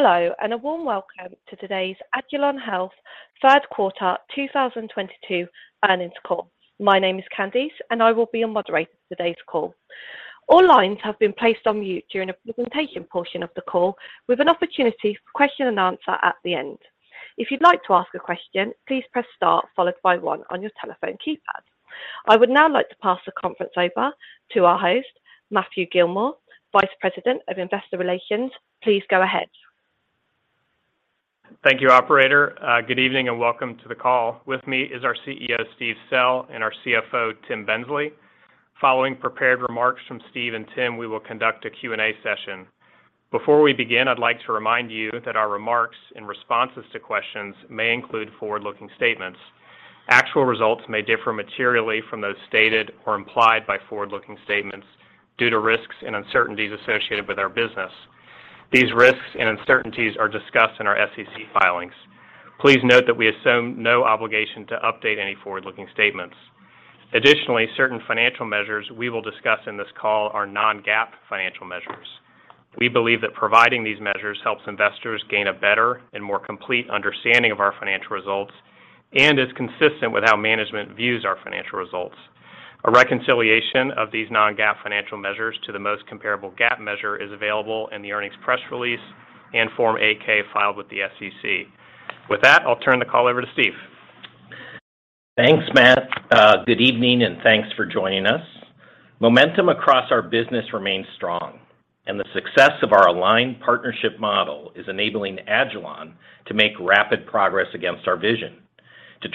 Hello, and a warm welcome to today's agilon health third quarter 2022 earnings call. My name is Candice, and I will be your moderator for today's call. All lines have been placed on mute during the presentation portion of the call with an opportunity for question and answer at the end. If you'd like to ask a question, please press star followed by one on your telephone keypad. I would now like to pass the conference over to our host, Matthew Gillmor, Vice President of Investor Relations. Please go ahead. Thank you, operator. Good evening, and welcome to the call. With me is our CEO, Steven Sell, and our CFO, Timothy Bensley. Following prepared remarks from Steve and Tim, we will conduct a Q&A session. Before we begin, I'd like to remind you that our remarks and responses to questions may include forward-looking statements. Actual results may differ materially from those stated or implied by forward-looking statements due to risks and uncertainties associated with our business. These risks and uncertainties are discussed in our SEC filings. Please note that we assume no obligation to update any forward-looking statements. Additionally, certain financial measures we will discuss in this call are non-GAAP financial measures. We believe that providing these measures helps investors gain a better and more complete understanding of our financial results and is consistent with how management views our financial results. A reconciliation of these non-GAAP financial measures to the most comparable GAAP measure is available in the earnings press release and Form 8-K filed with the SEC. With that, I'll turn the call over to Steve. Thanks, Matt. Good evening, and thanks for joining us. Momentum across our business remains strong, and the success of our aligned partnership model is enabling agilon to make rapid progress against our vision to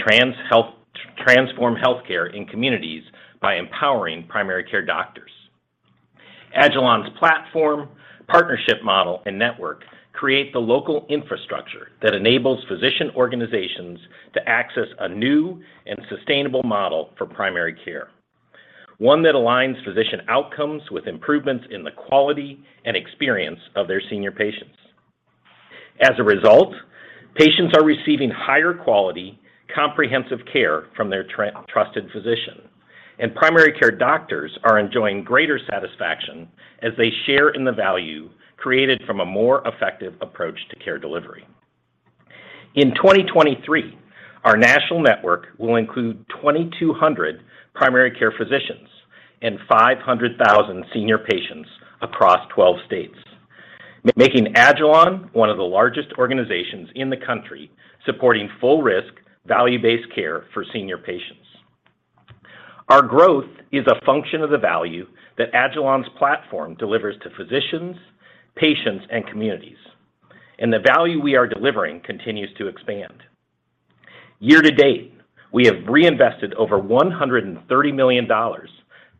transform healthcare in communities by empowering primary care doctors. agilon's platform, partnership model, and network create the local infrastructure that enables physician organizations to access a new and sustainable model for primary care, one that aligns physician outcomes with improvements in the quality and experience of their senior patients. As a result, patients are receiving higher quality, comprehensive care from their trusted physician, and primary care doctors are enjoying greater satisfaction as they share in the value created from a more effective approach to care delivery. In 2023, our national network will include 2,200 primary care physicians and 500,000 senior patients across 12 states, making agilon one of the largest organizations in the country supporting full risk, value-based care for senior patients. Our growth is a function of the value that agilon's platform delivers to physicians, patients, and communities, and the value we are delivering continues to expand. Year to date, we have reinvested over $130 million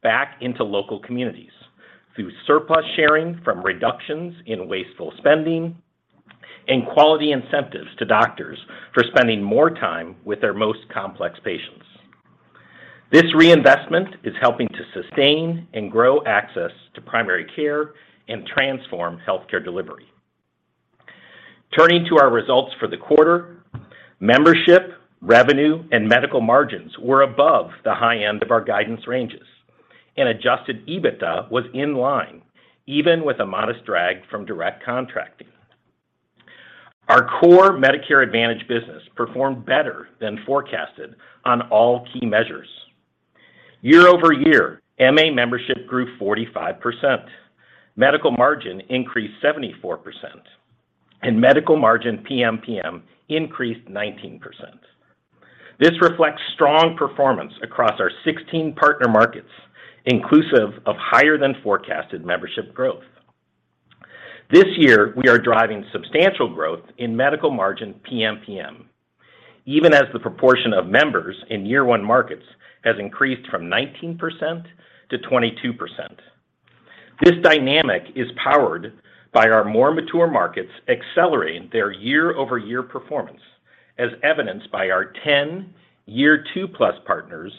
back into local communities through surplus sharing from reductions in wasteful spending and quality incentives to doctors for spending more time with their most complex patients. This reinvestment is helping to sustain and grow access to primary care and transform healthcare delivery. Turning to our results for the quarter, membership, revenue, and medical margins were above the high end of our guidance ranges, and Adjusted EBITDA was in line, even with a modest drag from Direct Contracting. Our core Medicare Advantage business performed better than forecasted on all key measures. Year-over-year, MA membership grew 45%, medical margin increased 74%, and medical margin PMPM increased 19%. This reflects strong performance across our 16 partner markets, inclusive of higher than forecasted membership growth. This year, we are driving substantial growth in medical margin PMPM, even as the proportion of members in year one markets has increased from 19%-22%. This dynamic is powered by our more mature markets accelerating their year-over-year performance, as evidenced by our 10 Year 2+ partners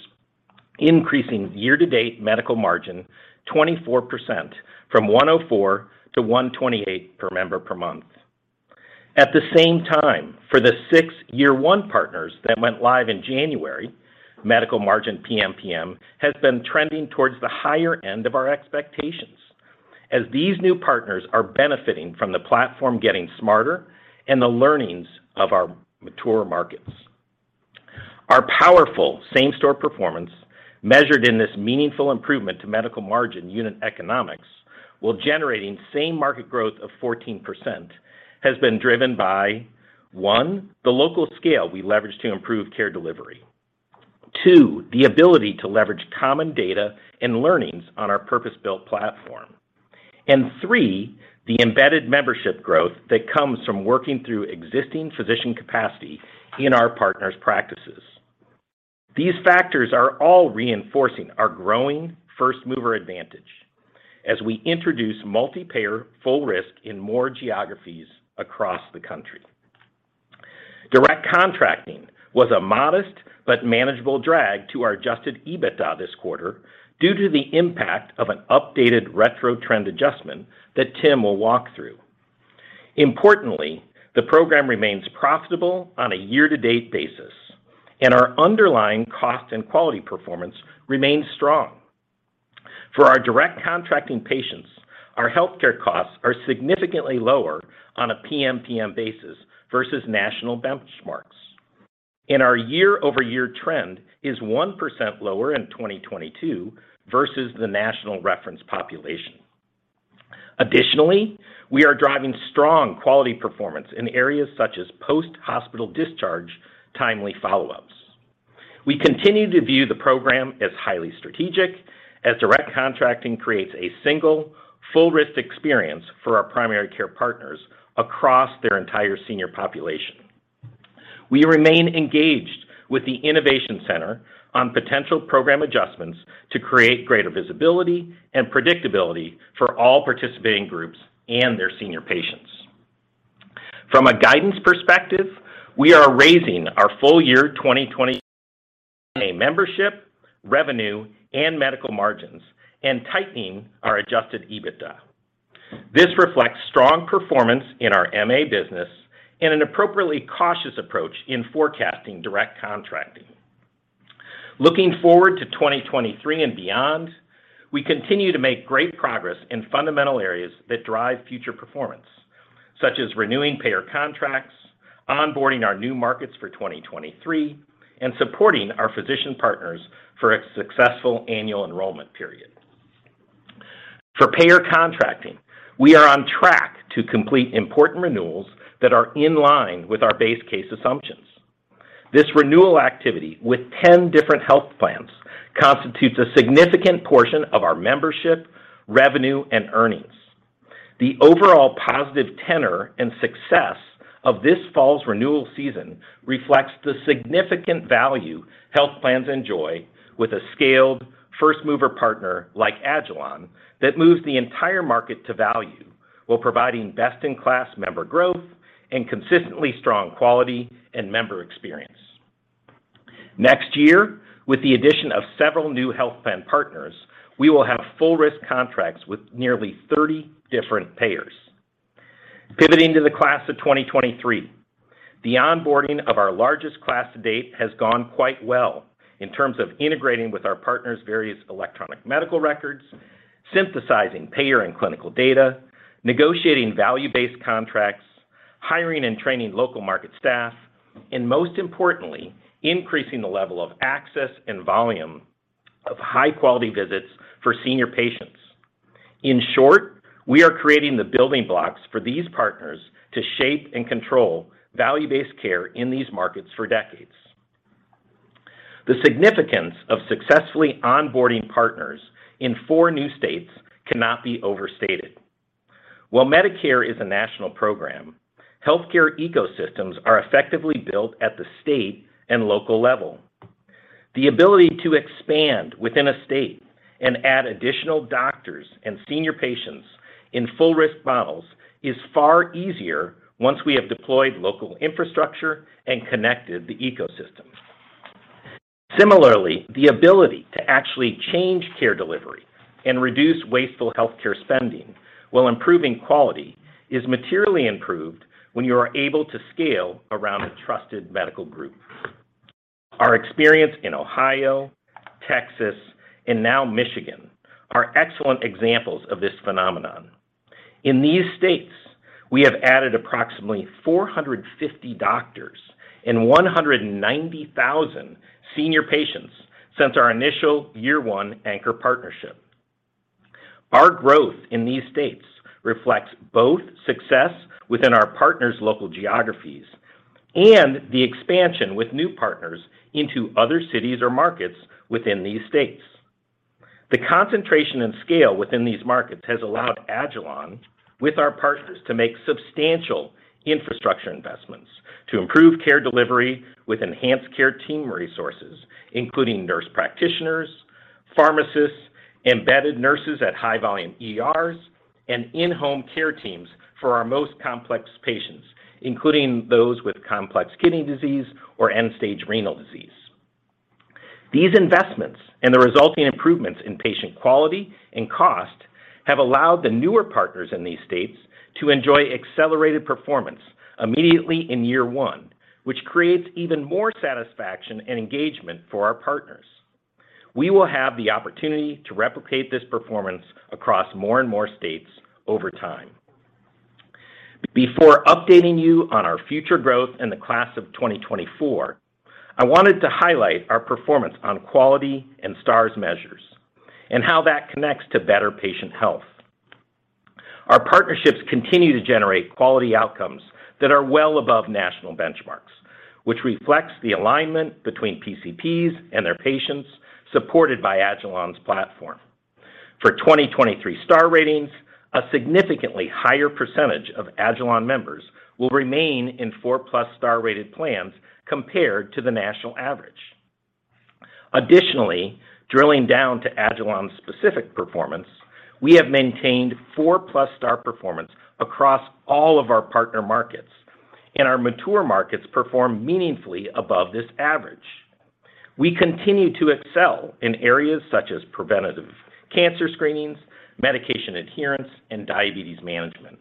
increasing year-to-date medical margin 24% from $104-$128 per member per month. At the same time, for the six Year one partners that went live in January, medical margin PMPM has been trending towards the higher end of our expectations as these new partners are benefiting from the platform getting smarter and the learnings of our mature markets. Our powerful same-store performance, measured in this meaningful improvement to medical margin unit economics, while generating same market growth of 14%, has been driven by, one, the local scale we leverage to improve care delivery, two, the ability to leverage common data and learnings on our purpose-built platform, and three, the embedded membership growth that comes from working through existing physician capacity in our partners' practices. These factors are all reinforcing our growing first-mover advantage as we introduce multi-payer full risk in more geographies across the country. Direct Contracting was a modest but manageable drag to our Adjusted EBITDA this quarter due to the impact of an updated retro trend adjustment that Tim will walk through. Importantly, the program remains profitable on a year-to-date basis, and our underlying cost and quality performance remains strong. For our Direct Contracting patients, our healthcare costs are significantly lower on a PMPM basis versus national benchmarks. Our year-over-year trend is 1% lower in 2022 versus the national reference population. Additionally, we are driving strong quality performance in areas such as post-hospital discharge, timely follow-ups. We continue to view the program as highly strategic as Direct Contracting creates a single full risk experience for our primary care partners across their entire senior population. We remain engaged with the Innovation Center on potential program adjustments to create greater visibility and predictability for all participating groups and their senior patients. From a guidance perspective, we are raising our full-year 2023 membership, revenue, and medical margins and tightening our Adjusted EBITDA. This reflects strong performance in our MA business and an appropriately cautious approach in forecasting Direct Contracting. Looking forward to 2023 and beyond, we continue to make great progress in fundamental areas that drive future performance, such as renewing payer contracts, onboarding our new markets for 2023, and supporting our physician partners for a successful annual enrollment period. For payer contracting, we are on track to complete important renewals that are in line with our base case assumptions. This renewal activity with 10 different health plans constitutes a significant portion of our membership, revenue, and earnings. The overall positive tenor and success of this fall's renewal season reflects the significant value health plans enjoy with a scaled first-mover partner like agilon that moves the entire market to value while providing best-in-class member growth and consistently strong quality and member experience. Next year, with the addition of several new health plan partners, we will have full risk contracts with nearly 30 different payers. Pivoting to the class of 2023, the onboarding of our largest class to date has gone quite well in terms of integrating with our partners' various electronic medical records, synthesizing payer and clinical data, negotiating value-based contracts, hiring and training local market staff, and most importantly, increasing the level of access and volume of high-quality visits for senior patients. In short, we are creating the building blocks for these partners to shape and control value-based care in these markets for decades. The significance of successfully onboarding partners in four new states cannot be overstated. While Medicare is a national program, healthcare ecosystems are effectively built at the state and local level. The ability to expand within a state and add additional doctors and senior patients in full risk models is far easier once we have deployed local infrastructure and connected the ecosystems. Similarly, the ability to actually change care delivery and reduce wasteful healthcare spending while improving quality is materially improved when you are able to scale around a trusted medical group. Our experience in Ohio, Texas, and now Michigan are excellent examples of this phenomenon. In these states, we have added approximately 450 doctors and 190,000 senior patients since our initial year one anchor partnership. Our growth in these states reflects both success within our partners' local geographies and the expansion with new partners into other cities or markets within these states. The concentration and scale within these markets has allowed agilon, with our partners, to make substantial infrastructure investments to improve care delivery with enhanced care team resources, including nurse practitioners, pharmacists, embedded nurses at high volume ERs, and in-home care teams for our most complex patients, including those with complex kidney disease or end-stage renal disease. These investments and the resulting improvements in patient quality and cost have allowed the newer partners in these states to enjoy accelerated performance immediately in year one, which creates even more satisfaction and engagement for our partners. We will have the opportunity to replicate this performance across more and more states over time. Before updating you on our future growth in the class of 2024, I wanted to highlight our performance on quality and Stars measures and how that connects to better patient health. Our partnerships continue to generate quality outcomes that are well above national benchmarks, which reflects the alignment between PCPs and their patients supported by agilon's platform. For 2023 star ratings, a significantly higher percentage of agilon members will remain in four-plus star rated plans compared to the national average. Additionally, drilling down to agilon's specific performance, we have maintained four-plus star performance across all of our partner markets, and our mature markets perform meaningfully above this average. We continue to excel in areas such as preventative cancer screenings, medication adherence, and diabetes management.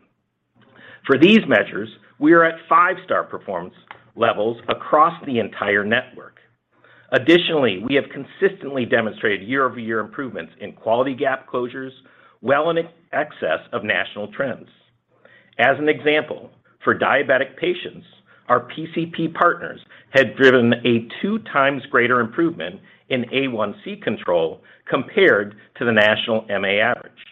For these measures, we are at five-star performance levels across the entire network. Additionally, we have consistently demonstrated year-over-year improvements in quality gap closures well in excess of national trends. As an example, for diabetic patients, our PCP partners had driven a two times greater improvement in A1C control compared to the national MA average.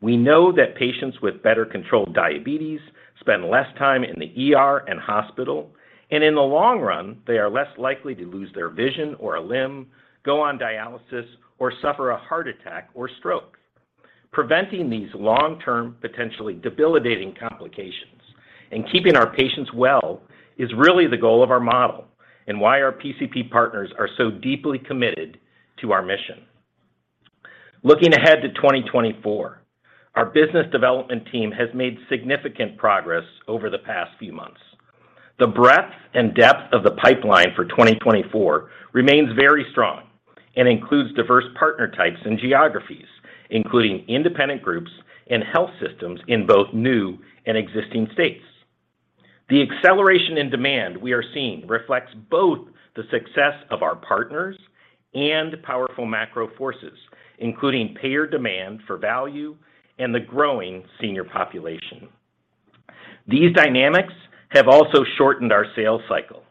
We know that patients with better controlled diabetes spend less time in the ER and hospital, and in the long run, they are less likely to lose their vision or a limb, go on dialysis, or suffer a heart attack or stroke. Preventing these long-term, potentially debilitating complications and keeping our patients well is really the goal of our model and why our PCP partners are so deeply committed to our mission. Looking ahead to 2024, our business development team has made significant progress over the past few months. The breadth and depth of the pipeline for 2024 remains very strong and includes diverse partner types and geographies, including independent groups and health systems in both new and existing states. The acceleration in demand we are seeing reflects both the success of our partners and powerful macro forces, including payer demand for value and the growing senior population. These dynamics have also shortened our sales cycle.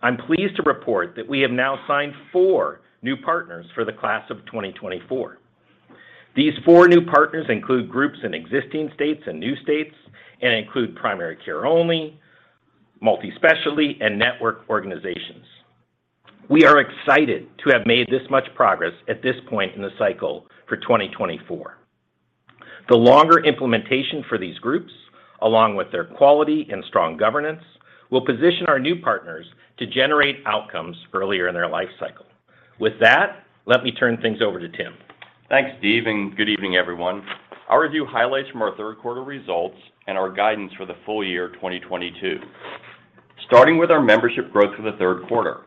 I'm pleased to report that we have now signed four new partners for the class of 2024. These four new partners include groups in existing states and new states and include primary care only, multi-specialty, and network organizations. We are excited to have made this much progress at this point in the cycle for 2024. The longer implementation for these groups, along with their quality and strong governance, will position our new partners to generate outcomes earlier in their life cycle. With that, let me turn things over to Tim. Thanks, Steve, and good evening, everyone. I'll review highlights from our third quarter results and our guidance for the full year 2022. Starting with our membership growth for the third quarter,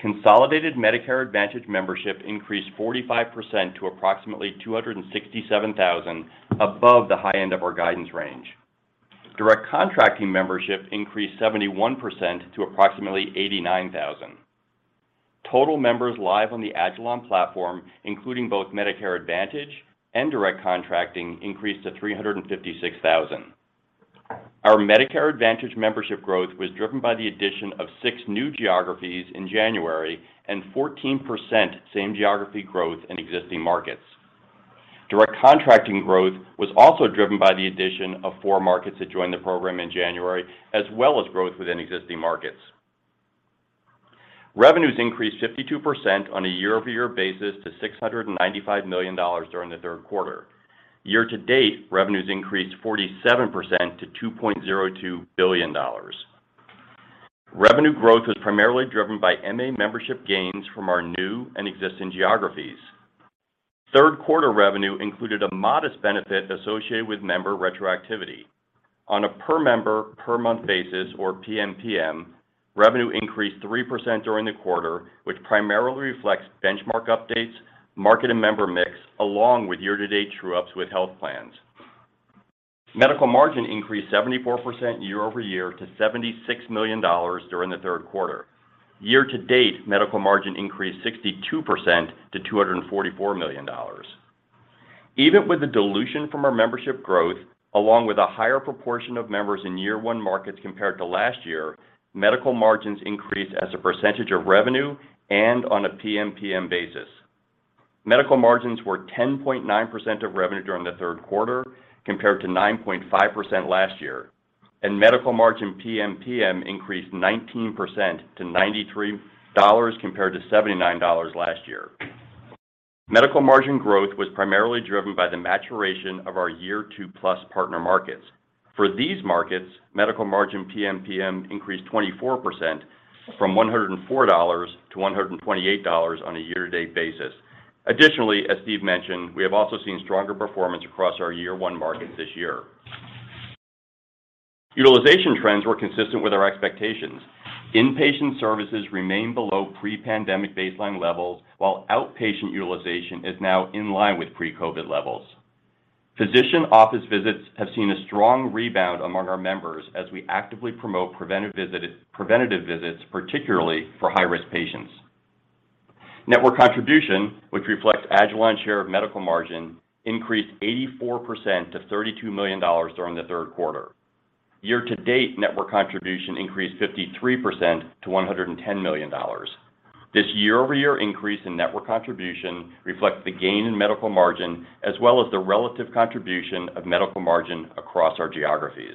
consolidated Medicare Advantage membership increased 45% to approximately 267,000, above the high end of our guidance range. Direct Contracting membership increased 71% to approximately 89,000. Total members live on the agilon platform, including both Medicare Advantage and Direct Contracting, increased to 356,000. Our Medicare Advantage membership growth was driven by the addition of six new geographies in January and 14% same-geography growth in existing markets. Direct Contracting growth was also driven by the addition of 4 markets that joined the program in January, as well as growth within existing markets. Revenues increased 52% on a year-over-year basis to $695 million during the third quarter. Year-to-date, revenues increased 47% to $2.02 billion. Revenue growth was primarily driven by MA membership gains from our new and existing geographies. Third quarter revenue included a modest benefit associated with member retroactivity. On a per member per month basis, or PMPM, revenue increased 3% during the quarter, which primarily reflects benchmark updates, market and member mix, along with year-to-date true-ups with health plans. Medical margin increased 74% year over year to $76 million during the third quarter. Year-to-date, medical margin increased 62% to $244 million. Even with the dilution from our membership growth, along with a higher proportion of members in year one markets compared to last year, medical margins increased as a percentage of revenue and on a PMPM basis. Medical margins were 10.9% of revenue during the third quarter compared to 9.5% last year, and medical margin PMPM increased 19% to $93 compared to $79 last year. Medical margin growth was primarily driven by the maturation of our year two plus partner markets. For these markets, medical margin PMPM increased 24% from $104 to $128 on a year-to-date basis. Additionally, as Steven mentioned, we have also seen stronger performance across our year one markets this year. Utilization trends were consistent with our expectations. Inpatient services remain below pre-pandemic baseline levels, while outpatient utilization is now in line with pre-COVID levels. Physician office visits have seen a strong rebound among our members as we actively promote preventative visits, particularly for high-risk patients. Network contribution, which reflects agilon share of medical margin, increased 84% to $32 million during the third quarter. Year-to-date, network contribution increased 53% to $110 million. This year-over-year increase in network contribution reflects the gain in medical margin as well as the relative contribution of medical margin across our geographies.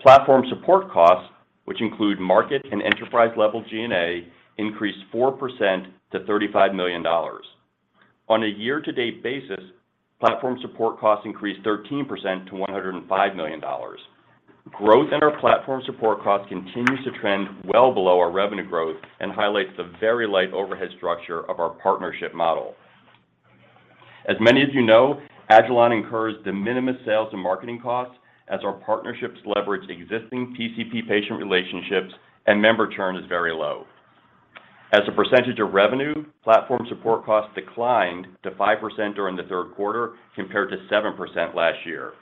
Platform support costs, which include market and enterprise-level G&A, increased 4% to $35 million. On a year-to-date basis, platform support costs increased 13% to $105 million. Growth in our platform support costs continues to trend well below our revenue growth and highlights the very light overhead structure of our partnership model. As many of you know, agilon incurs de minimis sales and marketing costs as our partnerships leverage existing PCP patient relationships and member churn is very low. As a percentage of revenue, platform support costs declined to 5% during the third quarter compared to 7% last year.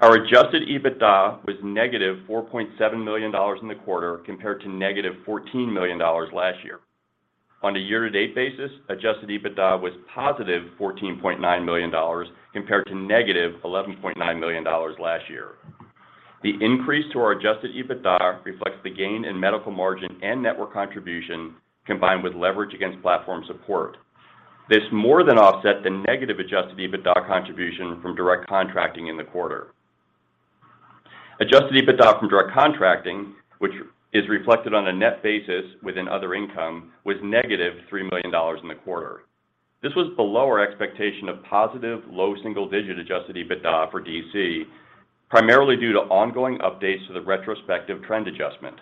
Our Adjusted EBITDA was negative $4.7 million in the quarter compared to negative $14 million last year. On a year-to-date basis, Adjusted EBITDA was positive $14.9 million compared to negative $11.9 million last year. The increase to our Adjusted EBITDA reflects the gain in medical margin and network contribution combined with leverage against platform support. This more than offset the negative Adjusted EBITDA contribution from Direct Contracting in the quarter. Adjusted EBITDA from Direct Contracting, which is reflected on a net basis within other income, was negative $3 million in the quarter. This was below our expectation of positive low single-digit Adjusted EBITDA for DC, primarily due to ongoing updates to the retro trend adjustment.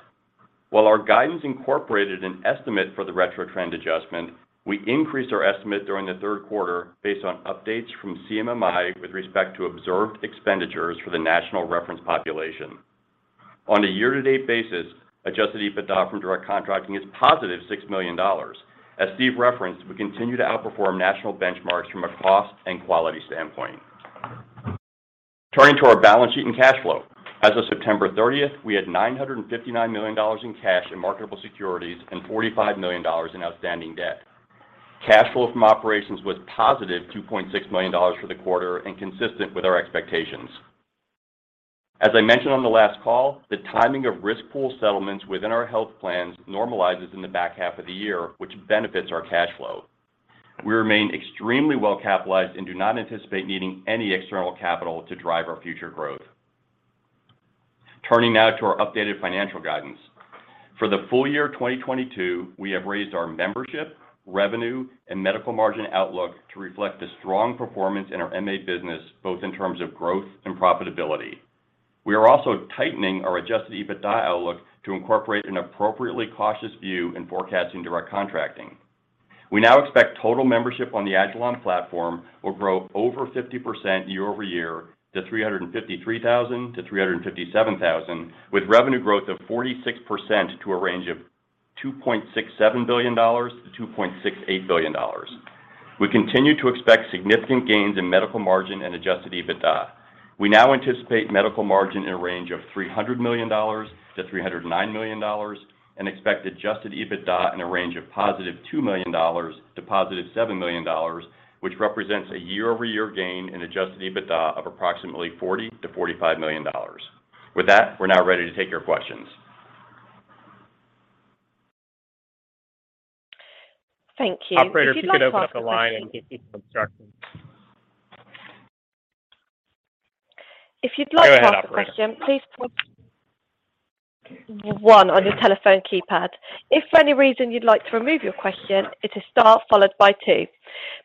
While our guidance incorporated an estimate for the retro trend adjustment, we increased our estimate during the third quarter based on updates from CMMI with respect to observed expenditures for the national reference population. On a year-to-date basis, Adjusted EBITDA from Direct Contracting is positive $6 million. As Steve referenced, we continue to outperform national benchmarks from a cost and quality standpoint. Turning to our balance sheet and cash flow. As of September 30, we had $959 million in cash and marketable securities and $45 million in outstanding debt. Cash flow from operations was positive $2.6 million for the quarter and consistent with our expectations. As I mentioned on the last call, the timing of risk pool settlements within our health plans normalizes in the back half of the year, which benefits our cash flow. We remain extremely well capitalized and do not anticipate needing any external capital to drive our future growth. Turning now to our updated financial guidance. For the full year 2022, we have raised our membership, revenue, and medical margin outlook to reflect the strong performance in our MA business, both in terms of growth and profitability. We are also tightening our Adjusted EBITDA outlook to incorporate an appropriately cautious view in forecasting Direct Contracting. We now expect total membership on the agilon platform will grow over 50% year-over-year to 353,000-357,000, with revenue growth of 46% to a range of $2.67 billion-$2.68 billion. We continue to expect significant gains in medical margin and adjusted EBITDA. We now anticipate medical margin in a range of $300 million-$309 million and expect adjusted EBITDA in a range of $2 million-$7 million, which represents a year-over-year gain in adjusted EBITDA of approximately $40 million-$45 million. With that, we're now ready to take your questions. Thank you. Operator, if you could open up the line and give people instructions. If you'd like to ask a question, please press one. Go ahead, operator. One on your telephone keypad. If for any reason you'd like to remove your question, it is star followed by two.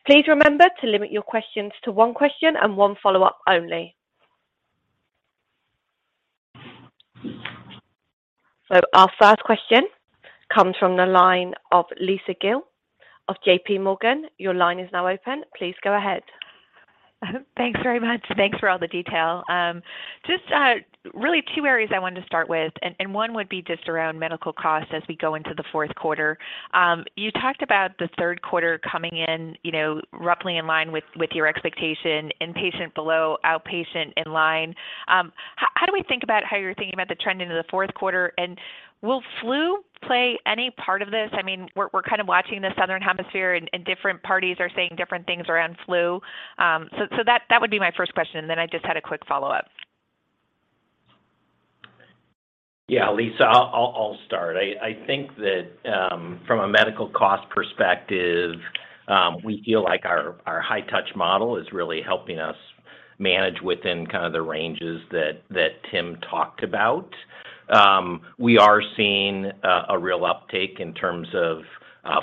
Please remember to limit your questions to one question and one follow-up only. Our first question comes from the line of Lisa Gill of JPMorgan. Your line is now open. Please go ahead. Thanks very much. Thanks for all the detail. Just really two areas I wanted to start with, and one would be just around medical costs as we go into the fourth quarter. You talked about the third quarter coming in, you know, roughly in line with your expectation, inpatient below, outpatient in line. How do we think about how you're thinking about the trend into the fourth quarter? And will flu play any part of this? I mean, we're kind of watching the Southern Hemisphere and different parties are saying different things around flu. That would be my first question, and then I just had a quick follow-up. Yeah, Lisa, I'll start. I think that from a medical cost perspective, we feel like our high touch model is really helping us manage within kind of the ranges that Tim talked about. We are seeing a real uptake in terms of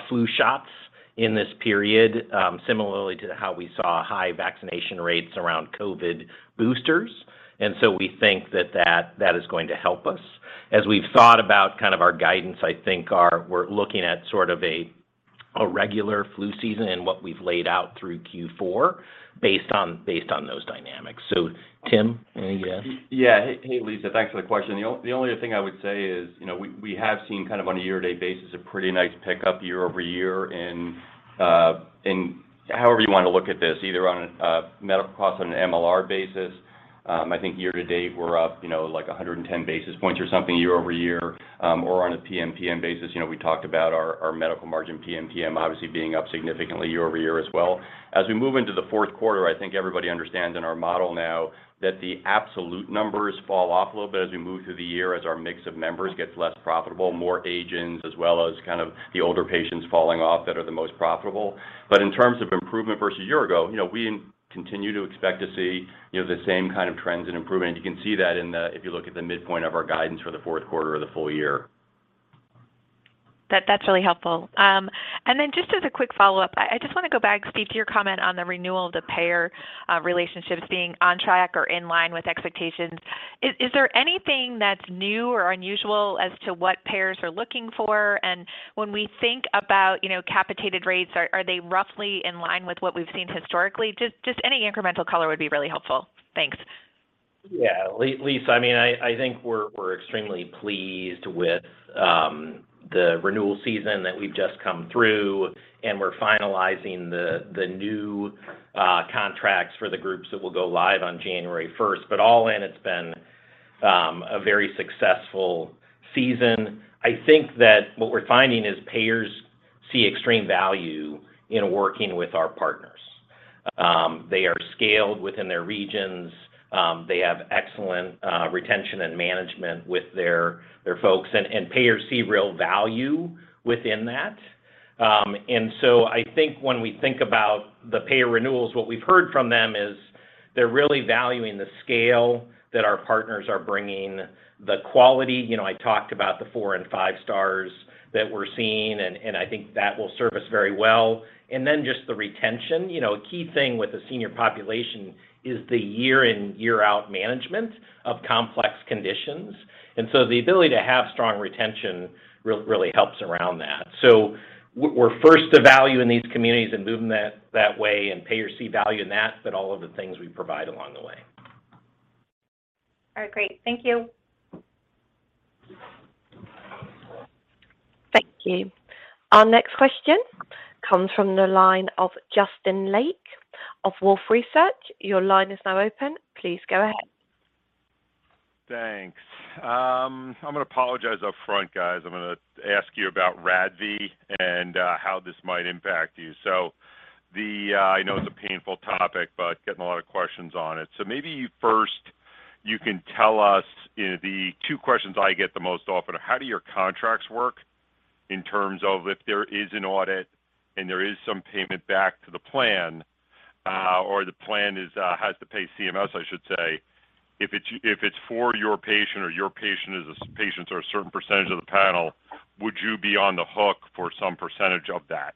flu shots in this period, similarly to how we saw high vaccination rates around COVID boosters. We think that is going to help us. As we've thought about kind of our guidance, I think we're looking at sort of a regular flu season and what we've laid out through Q4 based on those dynamics. So Tim, anything? Yeah. Hey, Lisa. Thanks for the question. The only other thing I would say is, you know, we have seen kind of on a year-to-date basis, a pretty nice pickup year-over-year in however you wanna look at this, either on a medical cost on an MLR basis. I think year-to-date, we're up, you know, like 110 basis points or something year-over-year. Or on a PMPM basis, you know, we talked about our medical margin PMPM obviously being up significantly year-over-year as well. As we move into the fourth quarter, I think everybody understands in our model now that the absolute numbers fall off a little bit as we move through the year as our mix of members gets less profitable, more aged as well as kind of the older patients falling off that are the most profitable. In terms of improvement versus a year ago, you know, we continue to expect to see, you know, the same kind of trends and improvement. You can see that if you look at the midpoint of our guidance for the fourth quarter or the full year. That's really helpful. Just as a quick follow-up, I just wanna go back, Steve, to your comment on the renewal of the payer relationships being on track or in line with expectations. Is there anything that's new or unusual as to what payers are looking for? When we think about, you know, capitated rates, are they roughly in line with what we've seen historically? Just any incremental color would be really helpful. Thanks. Yeah. Lisa, I mean, I think we're extremely pleased with the renewal season that we've just come through, and we're finalizing the new contracts for the groups that will go live on January 1st. All in, it's been a very successful season. I think that what we're finding is payers see extreme value in working with our partners. They are scaled within their regions. They have excellent retention and management with their folks, and payers see real value within that. And so I think when we think about the payer renewals, what we've heard from them is they're really valuing the scale that our partners are bringing, the quality, you know, I talked about the four and five stars that we're seeing, and I think that will serve us very well, and then just the retention. You know, a key thing with the senior population is the year in, year out management of complex conditions. The ability to have strong retention really helps around that. We're first to value in these communities and moving that way, and payers see value in that, but all of the things we provide along the way. All right, great. Thank you. Thank you. Our next question comes from the line of Justin Lake of Wolfe Research. Your line is now open. Please go ahead. Thanks. I'm gonna apologize upfront, guys. I'm gonna ask you about RADV and how this might impact you. I know it's a painful topic, but getting a lot of questions on it. Maybe first you can tell us, you know, the two questions I get the most often are how do your contracts work in terms of if there is an audit and there is some payment back to the plan, or the plan has to pay CMS, I should say. If it's for your patient or patients are a certain percentage of the panel, would you be on the hook for some percentage of that?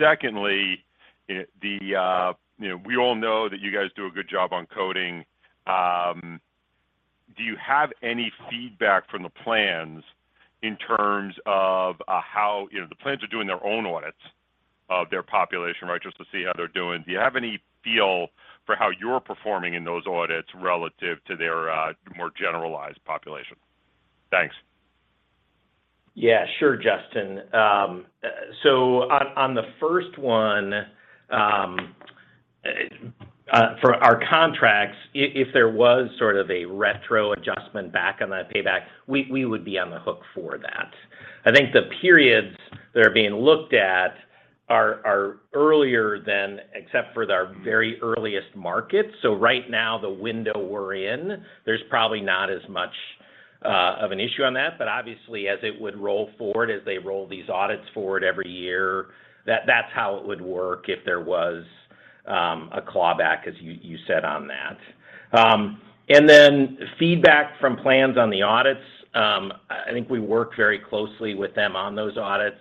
Secondly, you know, we all know that you guys do a good job on coding. Do you have any feedback from the plans in terms of how, you know, the plans are doing their own audits of their population, right? Just to see how they're doing. Do you have any feel for how you're performing in those audits relative to their more generalized population? Thanks. Yeah, sure, Justin. On the first one, for our contracts, if there was sort of a retro adjustment back on that payback, we would be on the hook for that. I think the periods that are being looked at are earlier than expected, except for our very earliest markets. Right now, the window we're in, there's probably not as much of an issue on that. Obviously, as it would roll forward, as they roll these audits forward every year, that's how it would work if there was a clawback, as you said on that. Feedback from plans on the audits. I think we work very closely with them on those audits.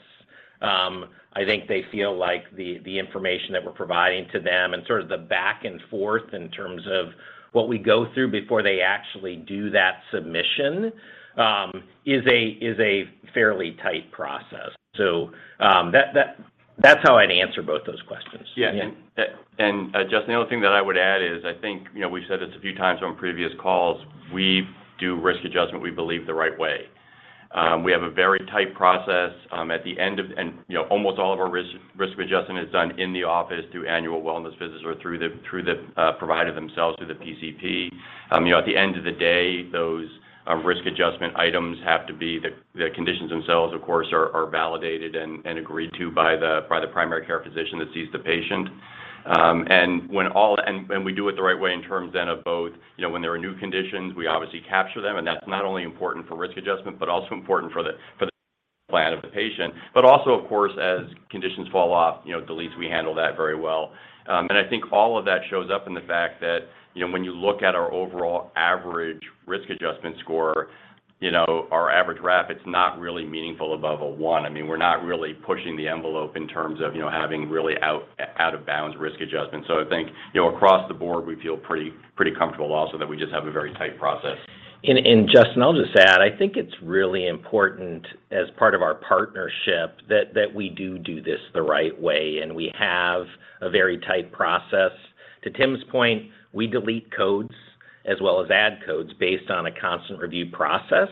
I think they feel like the information that we're providing to them and sort of the back and forth in terms of what we go through before they actually do that submission, is a fairly tight process. So, that's how I'd answer both those questions. Yeah. And the other thing that I would add is, I think, you know, we've said this a few times on previous calls. We do risk adjustment, we believe, the right way. We have a very tight process. You know, almost all of our risk adjustment is done in the office through annual wellness visits or through the provider themselves, through the PCP. You know, at the end of the day, those risk adjustment items have to be the conditions themselves, of course, are validated and agreed to by the primary care physician that sees the patient. We do it the right way in terms then of both, you know, when there are new conditions, we obviously capture them, and that's not only important for risk adjustment, but also important for the plan of the patient. Also, of course, as conditions fall off, you know, deletes, we handle that very well. I think all of that shows up in the fact that, you know, when you look at our overall average risk adjustment score, you know, our average RAF, it's not really meaningful above 1. I mean, we're not really pushing the envelope in terms of, you know, having really out of bounds risk adjustment. I think, you know, across the board, we feel pretty comfortable also that we just have a very tight process. Justin, I'll just add, I think it's really important as part of our partnership that we do this the right way, and we have a very tight process. To Tim's point, we delete codes as well as add codes based on a constant review process.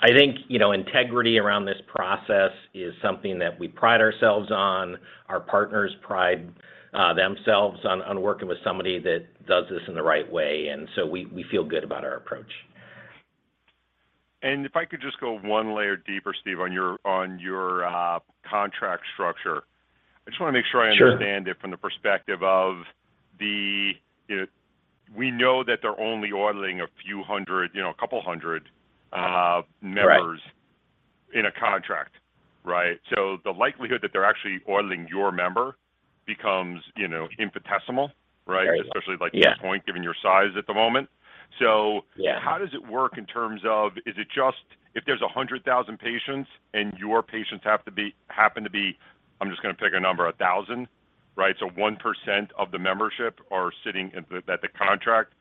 I think, you know, integrity around this process is something that we pride ourselves on. Our partners pride themselves on working with somebody that does this in the right way, and we feel good about our approach. If I could just go one layer deeper, Steve, on your contract structure. I just wanna make sure I- Sure. understand it from the perspective of the, you know, we know that they're only auditing a few hundred, you know, a couple hundred. Right. members in a contract, right? The likelihood that they're actually auditing your member becomes, you know, infinitesimal, right? Very much. Especially like to your point. Yeah. given your size at the moment. Yeah. How does it work in terms of, is it just if there's 100,000 patients and your patients happen to be, I'm just gonna pick a number, 1,000, right? One percent of the membership are sitting in the that the contract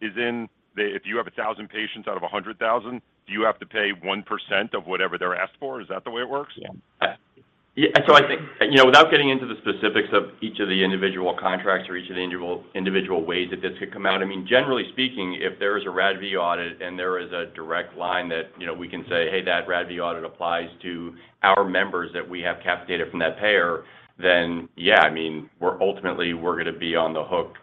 is in. If you have 1,000 patients out of 100,000, do you have to pay 1% of whatever they're asked for? Is that the way it works? Yeah. Yeah. I think, you know, without getting into the specifics of each of the individual contracts or each of the individual ways that this could come out, I mean, generally speaking, if there is a RADV audit and there is a direct line that, you know, we can say, "Hey, that RADV audit applies to our members that we have capitated from that payer," then yeah, I mean, we're ultimately, we're gonna be on the hook,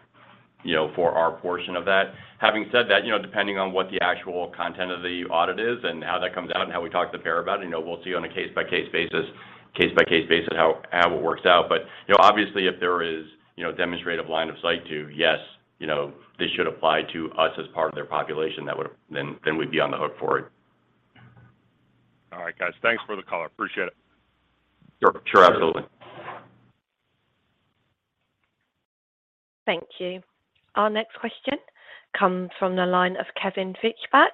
you know, for our portion of that. Having said that, you know, depending on what the actual content of the audit is and how that comes out and how we talk to the payer about it, you know, we'll see on a case-by-case basis how it works out. You know, obviously, if there is, you know, demonstrative line of sight to, yes, you know, this should apply to us as part of their population, that would, then we'd be on the hook for it. All right, guys. Thanks for the color. Appreciate it. Sure. Absolutely. Thank you. Our next question comes from the line of Kevin Fischbeck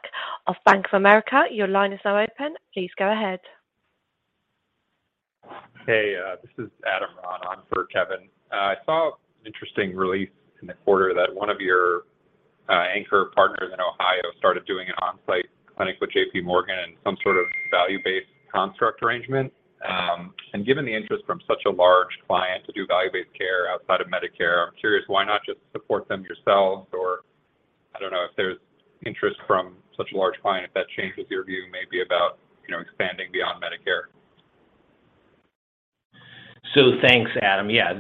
of Bank of America. Your line is now open. Please go ahead. This is Adam Ron on for Kevin. I saw an interesting release in the quarter that one of your anchor partners in Ohio started doing an on-site clinic with JPMorgan and some sort of value-based contract arrangement. Given the interest from such a large client to do value-based care outside of Medicare, I'm curious why not just support them yourselves? Or I don't know if there's interest from such a large client, if that changes your view maybe about, you know, expanding beyond Medicare. Thanks, Adam. Yeah,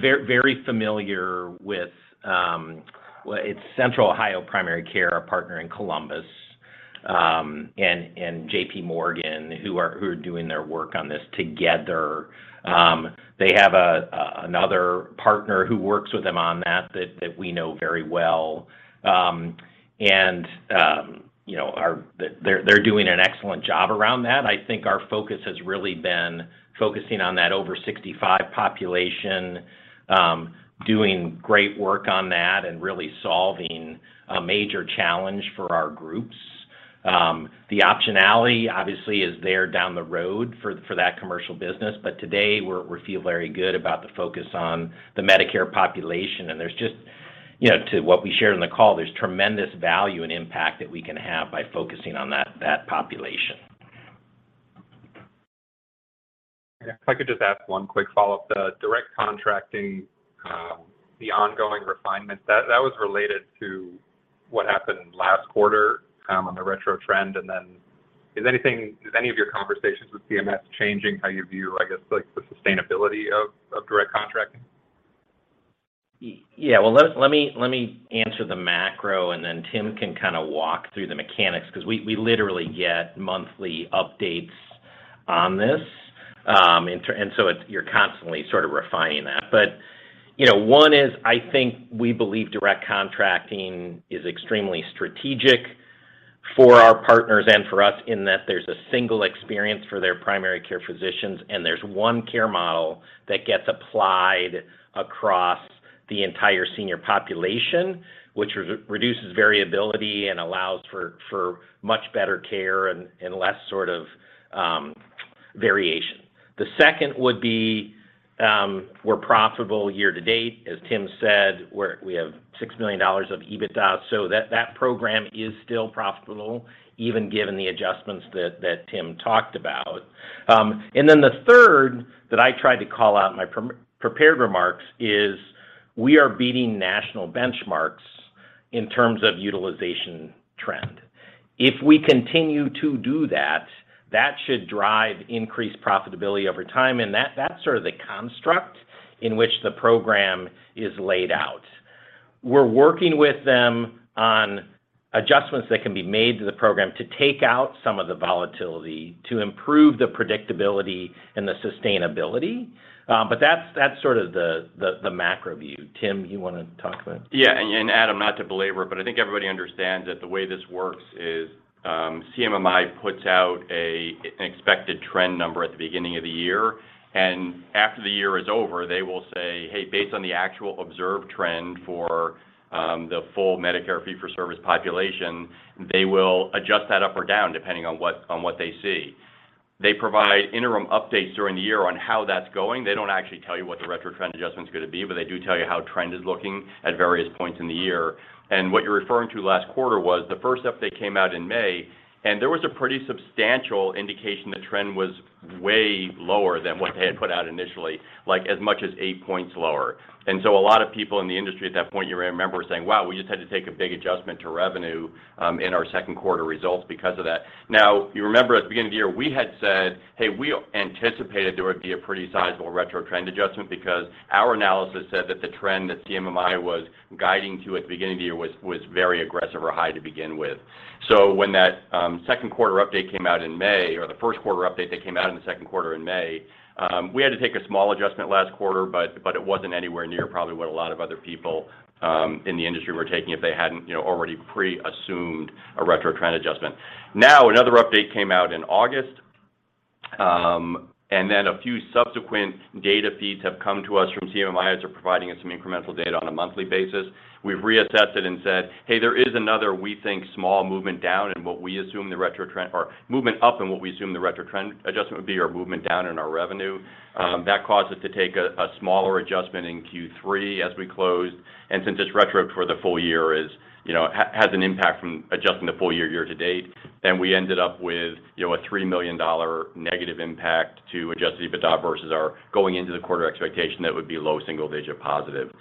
very familiar with. Well, it's Central Ohio Primary Care, our partner in Columbus, and JPMorgan, who are doing their work on this together. They have another partner who works with them on that we know very well. You know, they're doing an excellent job around that. I think our focus has really been focusing on that over 65 population, doing great work on that and really solving a major challenge for our groups. The optionality obviously is there down the road for that commercial business. Today, we feel very good about the focus on the Medicare population. There's just, you know, to what we shared on the call, there's tremendous value and impact that we can have by focusing on that population. If I could just ask one quick follow-up. The Direct Contracting, the ongoing refinement, that was related to what happened last quarter, on the retro trend, and then is any of your conversations with CMS changing how you view, I guess, like, the sustainability of Direct Contracting? Yeah. Well, let me answer the macro, and then Tim can kind of walk through the mechanics because we literally get monthly updates on this. It's. You're constantly sort of refining that. You know, one is, I think we believe Direct Contracting is extremely strategic for our partners and for us in that there's a single experience for their primary care physicians, and there's one care model that gets applied across the entire senior population, which reduces variability and allows for much better care and less sort of variation. The second would be, we're profitable year to date. As Tim said, we have $6 million of EBITDA. That program is still profitable even given the adjustments that Tim talked about. The third that I tried to call out in my pre-prepared remarks is we are beating national benchmarks in terms of utilization trend. If we continue to do that should drive increased profitability over time, and that's sort of the construct in which the program is laid out. We're working with them on adjustments that can be made to the program to take out some of the volatility, to improve the predictability and the sustainability. That's sort of the macro view. Tim, you wanna talk about it? Yeah. Adam, not to belabor it, but I think everybody understands that the way this works is, CMMI puts out an expected trend number at the beginning of the year, and after the year is over, they will say, "Hey, based on the actual observed trend for the full Medicare fee-for-service population," they will adjust that up or down depending on what they see. They provide interim updates during the year on how that's going. They don't actually tell you what the retro trend adjustment is gonna be, but they do tell you how trend is looking at various points in the year. What you're referring to last quarter was the first update came out in May, and there was a pretty substantial indication the trend was way lower than what they had put out initially, like as much as eight points lower. A lot of people in the industry at that point, you remember, were saying, "Wow, we just had to take a big adjustment to revenue in our second quarter results because of that." Now, you remember at the beginning of the year, we had said, "Hey, we anticipated there would be a pretty sizable retro trend adjustment because our analysis said that the trend that CMMI was guiding to at the beginning of the year was very aggressive or high to begin with." When that second quarter update came out in May or the first quarter update that came out in the second quarter in May, we had to take a small adjustment last quarter, but it wasn't anywhere near probably what a lot of other people in the industry were taking if they hadn't, you know, already pre-assumed a retro trend adjustment. Now, another update came out in August, and then a few subsequent data feeds have come to us from CMMI as they're providing us some incremental data on a monthly basis. We've reassessed it and said, "Hey, there is another, we think, small movement down in what we assume, or movement up in what we assume the retro trend adjustment would be, or movement down in our revenue." That caused us to take a smaller adjustment in Q3 as we closed. Since it's retro for the full year, you know, has an impact from adjusting the full year to date, then we ended up with, you know, a $3 million negative impact to Adjusted EBITDA versus our going into the quarter expectation that would be low single-digit positive.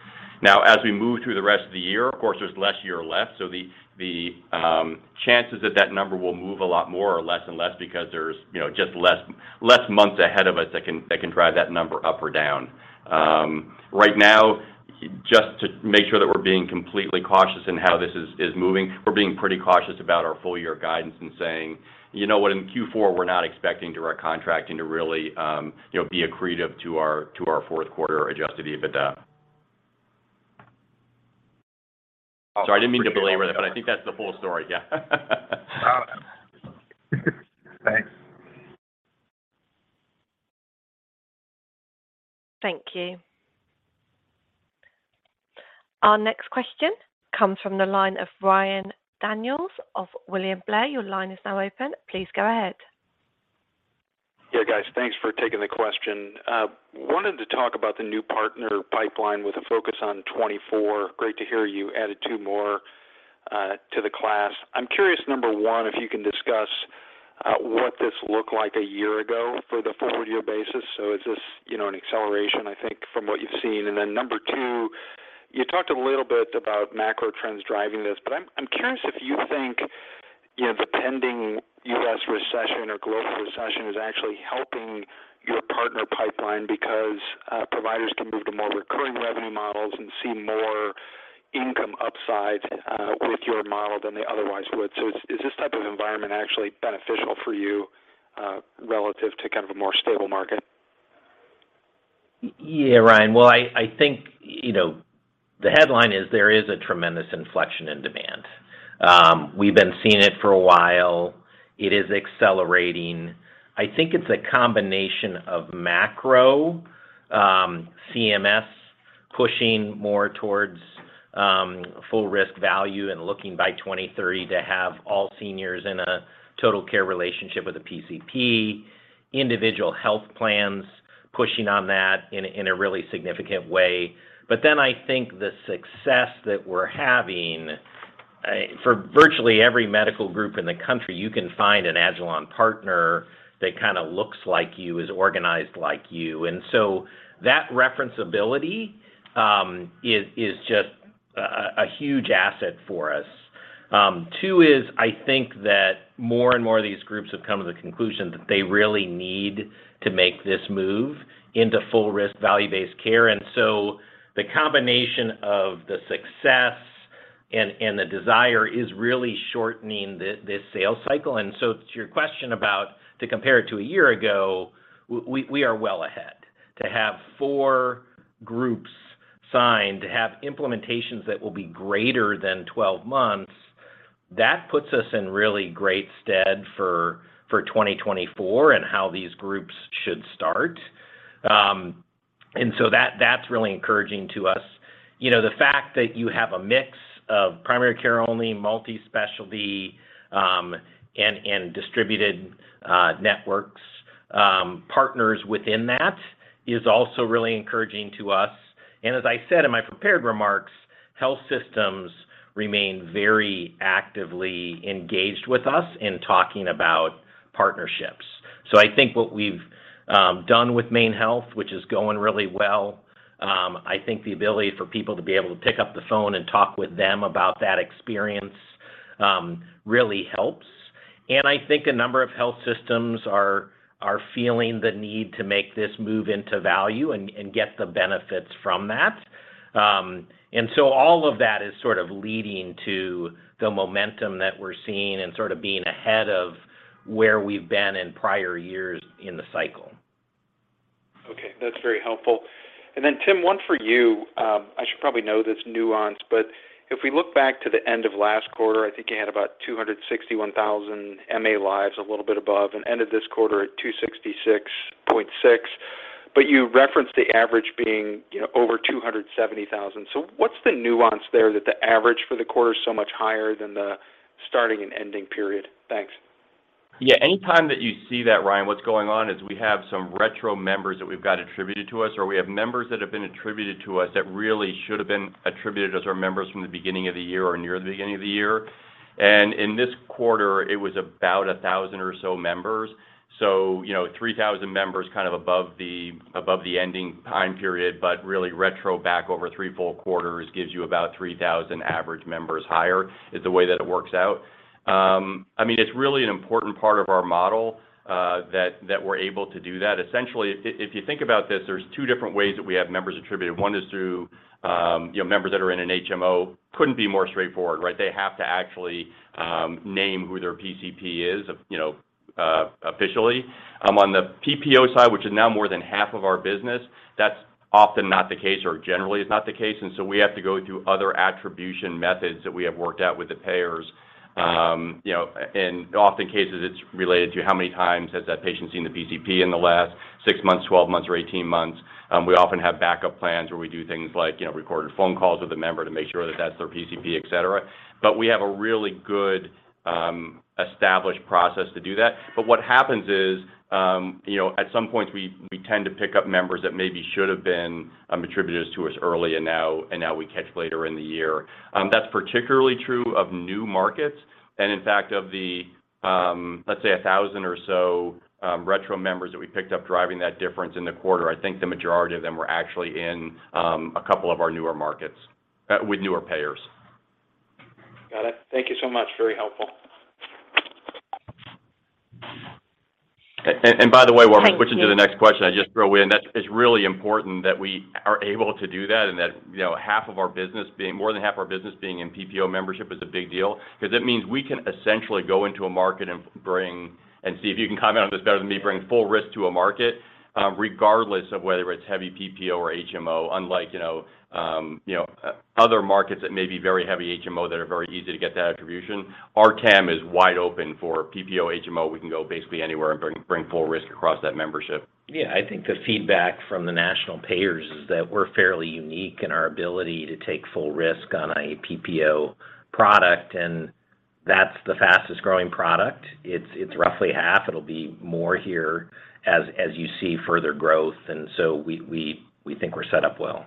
Now, as we move through the rest of the year, of course, there's less year left, so the chances that that number will move a lot more are less and less because there's, you know, just less months ahead of us that can drive that number up or down. Right now, just to make sure that we're being completely cautious in how this is moving, we're being pretty cautious about our full year guidance and saying, "You know what? In Q4, we're not expecting Direct Contracting to really, you know, be accretive to our fourth quarter Adjusted EBITDA." Sorry, I didn't mean to belabor that, but I think that's the full story. Yeah. Thanks. Thank you. Our next question comes from the line of Ryan Daniels of William Blair. Your line is now open. Please go ahead. Yeah, guys. Thanks for taking the question. Wanted to talk about the new partner pipeline with a focus on 2024. Great to hear you added two more to the class. I'm curious, number one, if you can discuss what this looked like a year ago for the forward year basis. Is this, you know, an acceleration, I think, from what you've seen? Number two, you talked a little bit about macro trends driving this, but I'm curious if you think, you know, the pending U.S. recession or global recession is actually helping your partner pipeline because providers can move to more recurring revenue models and see more income upside with your model than they otherwise would. Is this type of environment actually beneficial for you relative to kind of a more stable market? Yeah, Ryan. Well, I think, you know, the headline is there is a tremendous inflection in demand. We've been seeing it for a while. It is accelerating. I think it's a combination of macro, CMS pushing more towards full risk value and looking by 2023 to have all seniors in a total care relationship with a PCP, individual health plans pushing on that in a really significant way. I think the success that we're having, for virtually every medical group in the country, you can find an agilon partner that kinda looks like you, is organized like you. That reference ability is just a huge asset for us. Two is I think that more and more of these groups have come to the conclusion that they really need to make this move into full risk value-based care. The combination of the success and the desire is really shortening the sales cycle. To your question about to compare it to a year ago, we are well ahead. To have four groups signed, to have implementations that will be greater than 12 months, that puts us in really great stead for 2024 and how these groups should start. That is really encouraging to us. You know, the fact that you have a mix of primary care only, multi-specialty, and distributed networks, partners within that is also really encouraging to us. As I said in my prepared remarks, health systems remain very actively engaged with us in talking about partnerships. I think what we've done with MaineHealth, which is going really well, I think the ability for people to be able to pick up the phone and talk with them about that experience really helps. I think a number of health systems are feeling the need to make this move into value and get the benefits from that. All of that is sort of leading to the momentum that we're seeing and sort of being ahead of where we've been in prior years in the cycle. Okay. That's very helpful. Tim, one for you. I should probably know this nuance, but if we look back to the end of last quarter, I think you had about 261,000 MA lives, a little bit above, and ended this quarter at 266.6. You referenced the average being, you know, over 270,000. What's the nuance there that the average for the quarter is so much higher than the starting and ending period? Thanks. Yeah. Anytime that you see that, Ryan, what's going on is we have some retro members that we've got attributed to us, or we have members that have been attributed to us that really should have been attributed as our members from the beginning of the year or near the beginning of the year. In this quarter, it was about 1,000 or so members. You know, 3,000 members kind of above the ending time period, but really retro back over three full quarters gives you about 3,000 average members higher, is the way that it works out. I mean, it's really an important part of our model, that we're able to do that. Essentially, if you think about this, there's two different ways that we have members attributed. One is through, you know, members that are in an HMO, couldn't be more straightforward, right? They have to actually name who their PCP is, you know, officially. On the PPO side, which is now more than half of our business, that's often not the case or generally is not the case. We have to go through other attribution methods that we have worked out with the payers. You know, in many cases it's related to how many times has that patient seen the PCP in the last 6 months, 12 months or 18 months. We often have backup plans where we do things like, you know, recorded phone calls with a member to make sure that that's their PCP, et cetera. We have a really good established process to do that. What happens is, you know, at some point, we tend to pick up members that maybe should have been attributed to us early and now we catch later in the year. That's particularly true of new markets. In fact, of the, let's say, 1,000 or so retro members that we picked up driving that difference in the quarter, I think the majority of them were actually in a couple of our newer markets with newer payers. Got it. Thank you so much. Very helpful. By the way, while we're switching to the next question, I just throw in, that's it's really important that we are able to do that and that, you know, more than half our business being in PPO membership is a big deal because it means we can essentially go into a market and bring, and Steven, you can comment on this better than me, bring full risk to a market, regardless of whether it's heavy PPO or HMO, unlike, you know, you know, other markets that may be very heavy HMO that are very easy to get that attribution. Our TAM is wide open for PPO HMO. We can go basically anywhere and bring full risk across that membership. Yeah. I think the feedback from the national payers is that we're fairly unique in our ability to take full risk on a PPO product, and that's the fastest-growing product. It's roughly half. It'll be more here as you see further growth, and so we think we're set up well.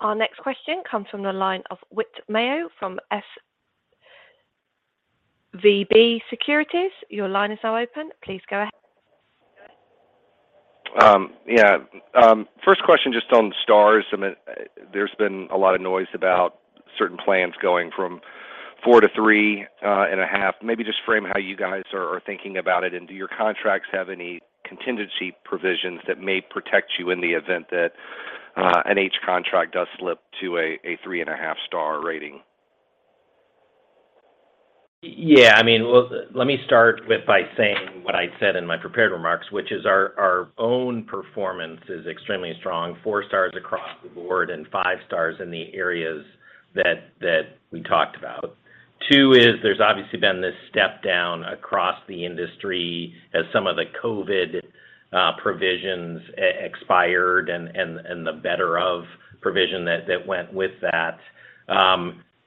Our next question comes from the line of Whit Mayo from SVB Securities. Your line is now open. Please go ahead. Yeah. First question, just on Stars. I mean, there's been a lot of noise about certain plans going from four to three and a half. Maybe just frame how you guys are thinking about it, and do your contracts have any contingency provisions that may protect you in the event that an MA contract does slip to a 3.5-Star rating? I mean, well, let me start with by saying what I said in my prepared remarks, which is our own performance is extremely strong, four Stars across the board and five Stars in the areas that we talked about. Two is there's obviously been this step down across the industry as some of the COVID provisions expired and the better of provision that went with that.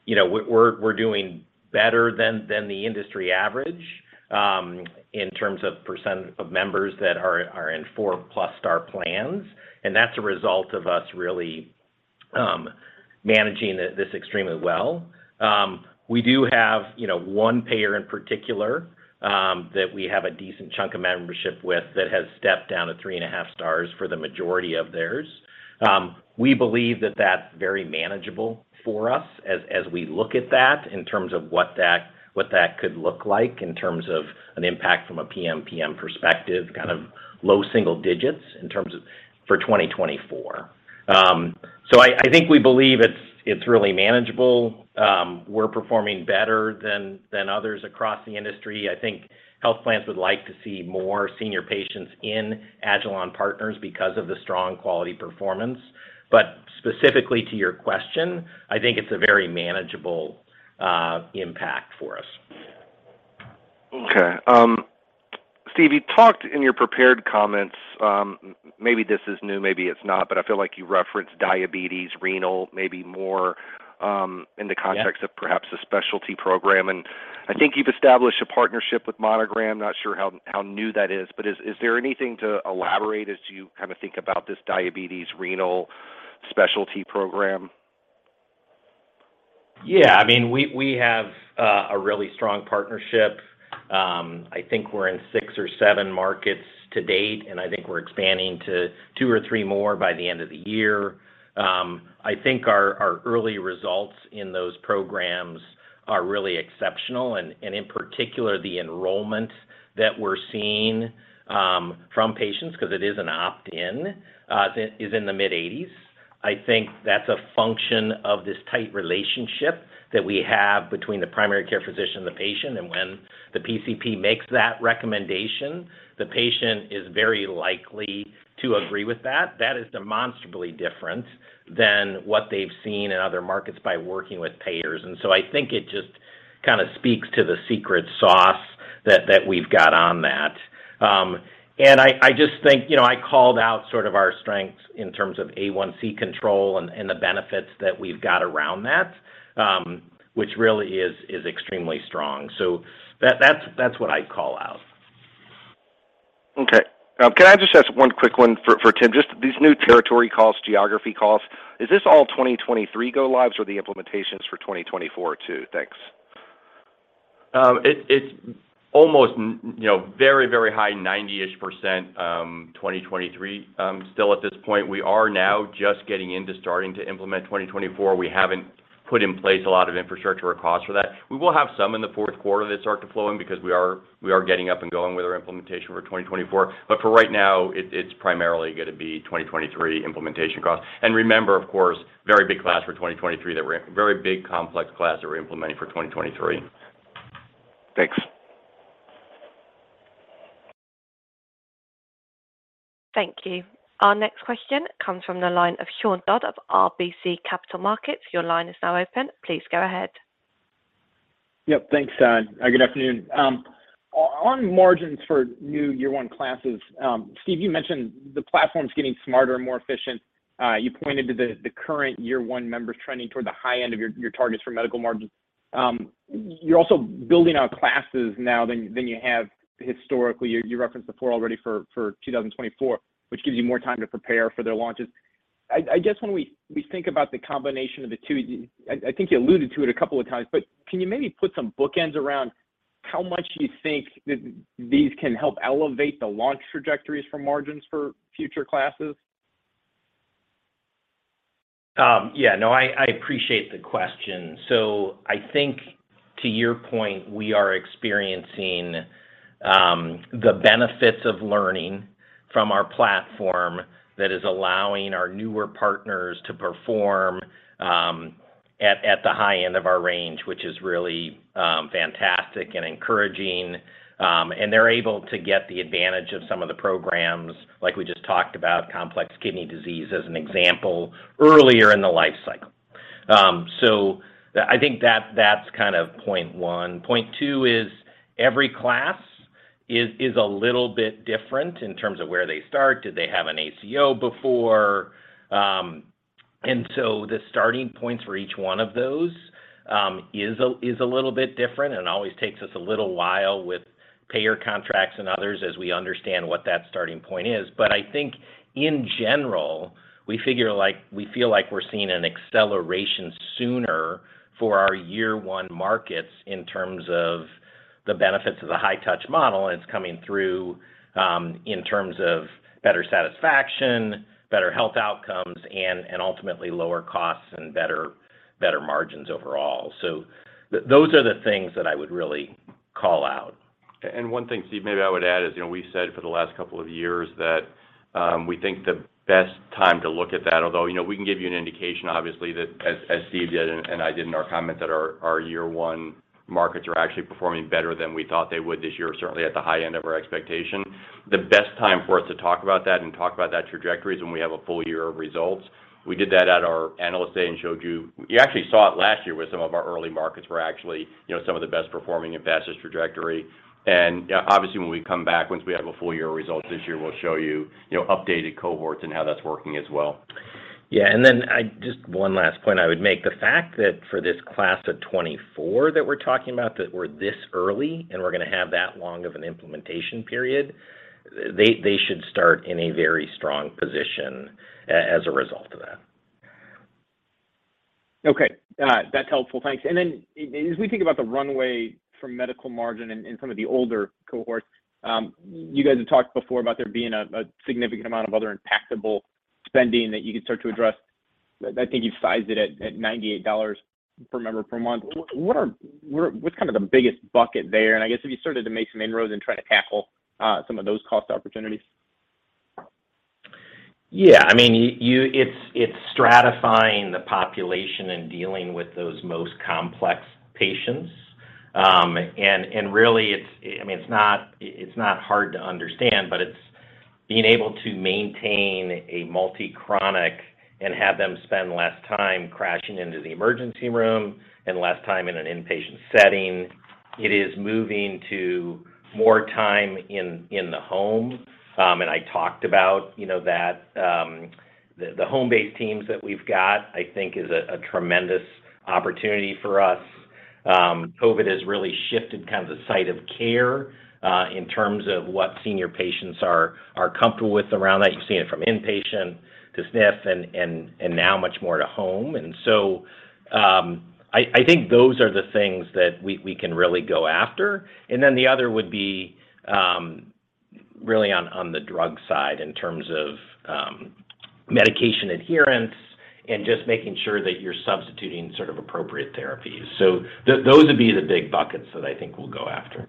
You know, we're doing better than the industry average in terms of percent of members that are in four-plus Star plans, and that's a result of us really managing this extremely well. We do have, you know, one payer in particular that we have a decent chunk of membership with that has stepped down to three and a half Stars for the majority of theirs. We believe that that's very manageable for us as we look at that in terms of what that could look like in terms of an impact from a PMPM perspective, kind of low single digits in terms of for 2024. I think we believe it's really manageable. We're performing better than others across the industry. I think health plans would like to see more senior patients in agilon partners because of the strong quality performance. Specifically to your question, I think it's a very manageable impact for us. Okay. Steve, you talked in your prepared comments, maybe this is new, maybe it's not, but I feel like you referenced diabetes, renal, maybe more, in the context of perhaps a specialty program. I think you've established a partnership with Monogram. Not sure how new that is, but is there anything to elaborate as you kind of think about this diabetes renal specialty program? Yeah. I mean, we have a really strong partnership. I think we're in six or seven markets to date, and I think we're expanding to two or three more by the end of the year. I think our early results in those programs are really exceptional, and in particular, the enrollment that we're seeing from patients, 'cause it is an opt-in, is in the mid-80s. I think that's a function of this tight relationship that we have between the primary care physician and the patient, and when the PCP makes that recommendation, the patient is very likely to agree with that. That is demonstrably different than what they've seen in other markets by working with payers. I think it just kinda speaks to the secret sauce that we've got on that. I just think, you know, I called out sort of our strengths in terms of A1C control and the benefits that we've got around that, which really is extremely strong. That's what I'd call out. Okay. Can I just ask one quick one for Tim? Just these new territory costs, geography costs, is this all 2023 go lives or the implementations for 2024 too? Thanks. It's almost, you know, very high 90-ish%, 2023, still at this point. We are now just getting into starting to implement 2024. We haven't put in place a lot of infrastructure or costs for that. We will have some in the fourth quarter that start to flow in because we are getting up and going with our implementation for 2024. For right now, it's primarily gonna be 2023 implementation costs. Remember, of course, very big complex class that we're implementing for 2023. Thanks. Thank you. Our next question comes from the line of Sean Dodge of RBC Capital Markets. Your line is now open. Please go ahead. Yep. Thanks. Good afternoon. On margins for new year one classes, Steven, you mentioned the platform's getting smarter and more efficient. You pointed to the current year one members trending toward the high end of your targets for medical margins. You're also building out classes now than you have historically. You referenced before already for 2024, which gives you more time to prepare for their launches. I guess when we think about the combination of the two, I think you alluded to it a couple of times, but can you maybe put some bookends around how much do you think these can help elevate the launch trajectories from margins for future classes? Yeah, no, I appreciate the question. I think to your point, we are experiencing the benefits of learning from our platform that is allowing our newer partners to perform at the high end of our range, which is really fantastic and encouraging. They're able to get the advantage of some of the programs, like we just talked about complex kidney disease as an example, earlier in the life cycle. I think that's kind of point one. Point two is every class is a little bit different in terms of where they start. Did they have an ACO before? The starting points for each one of those is a little bit different, and it always takes us a little while with payer contracts and others as we understand what that starting point is. I think in general, we figure like we feel like we're seeing an acceleration sooner for our year one markets in terms of the benefits of the high touch model, and it's coming through in terms of better satisfaction, better health outcomes, and ultimately lower costs and better margins overall. Those are the things that I would really call out. One thing, Steve, maybe I would add is, you know, we said for the last couple of years that we think the best time to look at that, although, you know, we can give you an indication, obviously, that as Steve did and I did in our comments, that our year one markets are actually performing better than we thought they would this year, certainly at the high end of our expectation. The best time for us to talk about that and talk about that trajectory is when we have a full year of results. We did that at our Analyst Day and showed you. You actually saw it last year with some of our early markets were actually, you know, some of the best performing and fastest trajectory. Obviously, when we come back, once we have a full year of results this year, we'll show you know, updated cohorts and how that's working as well. Yeah. Just one last point I would make. The fact that for this class of 24 that we're talking about, that we're this early and we're gonna have that long of an implementation period, they should start in a very strong position as a result of that. Okay. That's helpful. Thanks. Then as we think about the runway for medical margin in some of the older cohorts, you guys have talked before about there being a significant amount of other impactable spending that you could start to address. I think you've sized it at $98 per member per month. What's kind of the biggest bucket there? I guess, have you started to make some inroads in trying to tackle some of those cost opportunities? Yeah, I mean, it's stratifying the population and dealing with those most complex patients. It's not hard to understand, but it's being able to maintain a multi-chronic and have them spend less time crashing into the emergency room and less time in an inpatient setting. It is moving to more time in the home. I talked about, you know, that the home-based teams that we've got. I think is a tremendous opportunity for us. COVID has really shifted kind of the site of care in terms of what senior patients are comfortable with around that. You've seen it from inpatient to SNF and now much more to home. I think those are the things that we can really go after. The other would be really on the drug side in terms of medication adherence and just making sure that you're substituting sort of appropriate therapies. Those would be the big buckets that I think we'll go after.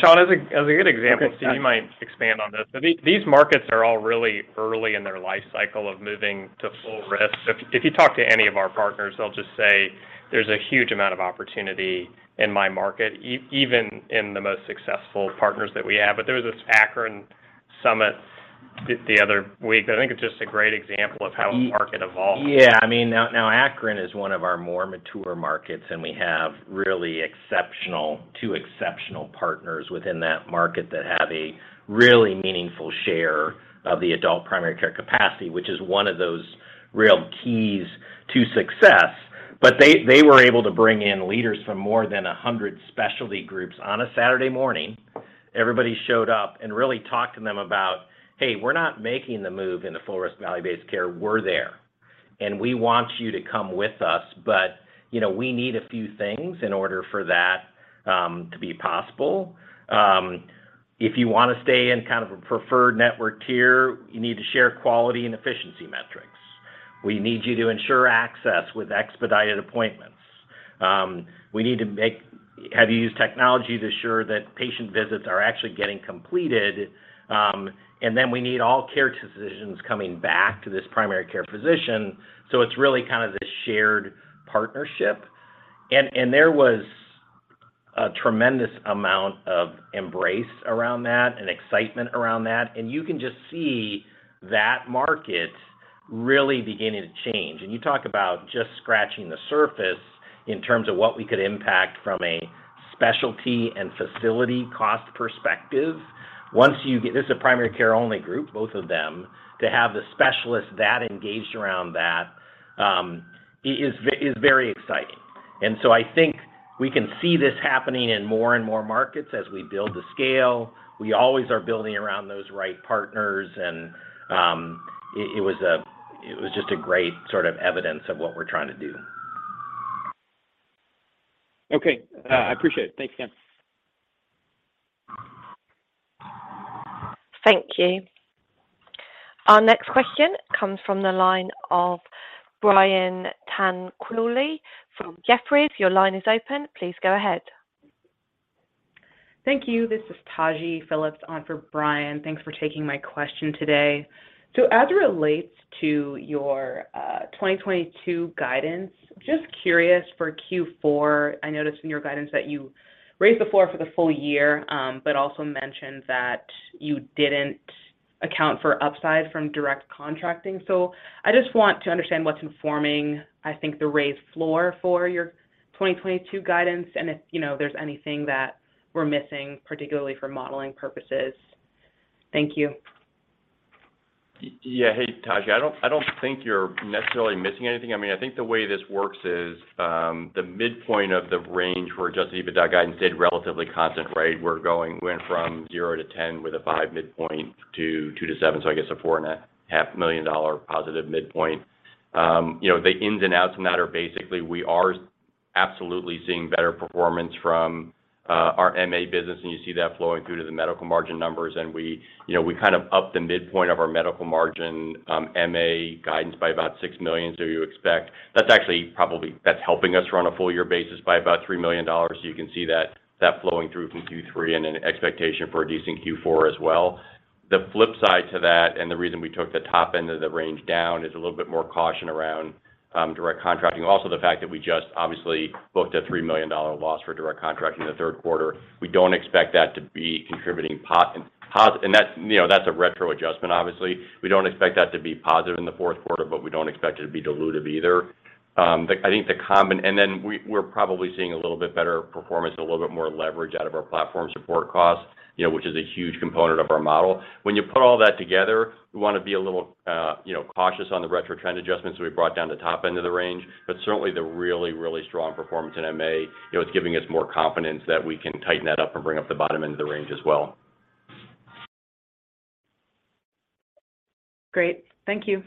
Sean Dodge, as a good example, you might expand on this. These markets are all really early in their life cycle of moving to full risk. If you talk to any of our partners, they'll just say, "There's a huge amount of opportunity in my market," even in the most successful partners that we have. There was this Akron summit the other week. I think it's just a great example of how the market evolves. Yeah. I mean, now Akron is one of our more mature markets, and we have really exceptional two exceptional partners within that market that have a really meaningful share of the adult primary care capacity, which is one of those real keys to success. They were able to bring in leaders from more than 100 specialty groups on a Saturday morning. Everybody showed up and really talked to them about, "Hey, we're not making the move in the full risk value-based care. We're there, and we want you to come with us, but you know, we need a few things in order for that to be possible. If you wanna stay in kind of a preferred network tier, you need to share quality and efficiency metrics. We need you to ensure access with expedited appointments. We need to have you use technology to ensure that patient visits are actually getting completed, and then we need all care decisions coming back to this primary care physician. So it's really kind of this shared partnership. There was a tremendous amount of embrace around that and excitement around that, and you can just see that market really beginning to change. You talk about just scratching the surface in terms of what we could impact from a specialty and facility cost perspective. This is a primary care only group, both of them, to have the specialists that engaged around that is very exciting. I think we can see this happening in more and more markets as we build the scale. We always are building around those right partners and it was just a great sort of evidence of what we're trying to do. Okay. I appreciate it. Thanks, again. Thank you. Our next question comes from the line of Brian Tanquilut from Jefferies. Your line is open. Please go ahead. Thank you. This is Taji Phillips on for Brian. Thanks for taking my question today. As it relates to your 2022 guidance, just curious for Q4, I noticed in your guidance that you raised the floor for the full year, but also mentioned that you didn't account for upside from Direct Contracting. I just want to understand what's informing, I think, the raised floor for your 2022 guidance and if, you know, there's anything that we're missing, particularly for modeling purposes. Thank you. Yeah. Hey, Taji. I don't think you're necessarily missing anything. I mean, I think the way this works is, the midpoint of the range for Adjusted EBITDA guidance stayed relatively constant rate. We went from $0-$10 million with a $5 million midpoint to $2-$7 million, so I guess a $4.5 million positive midpoint. You know, the ins and outs in that are basically we are absolutely seeing better performance from our MA business, and you see that flowing through to the medical margin numbers. We, you know, we kind of upped the midpoint of our medical margin MA guidance by about $6 million, so you expect. That's helping us run a full year basis by about $3 million. You can see that flowing through from Q3 and an expectation for a decent Q4 as well. The flip side to that, and the reason we took the top end of the range down, is a little bit more caution around Direct Contracting. Also, the fact that we just obviously booked a $3 million loss for Direct Contracting in the third quarter. We don't expect that to be contributing. That's, you know, that's a retro adjustment, obviously. We don't expect that to be positive in the fourth quarter, but we don't expect it to be dilutive either. We're probably seeing a little bit better performance and a little bit more leverage out of our platform support costs, you know, which is a huge component of our model. When you put all that together, we wanna be a little, you know, cautious on the retro trend adjustments, so we brought down the top end of the range. Certainly the really, really strong performance in MA, you know, it's giving us more confidence that we can tighten that up and bring up the bottom end of the range as well. Great. Thank you.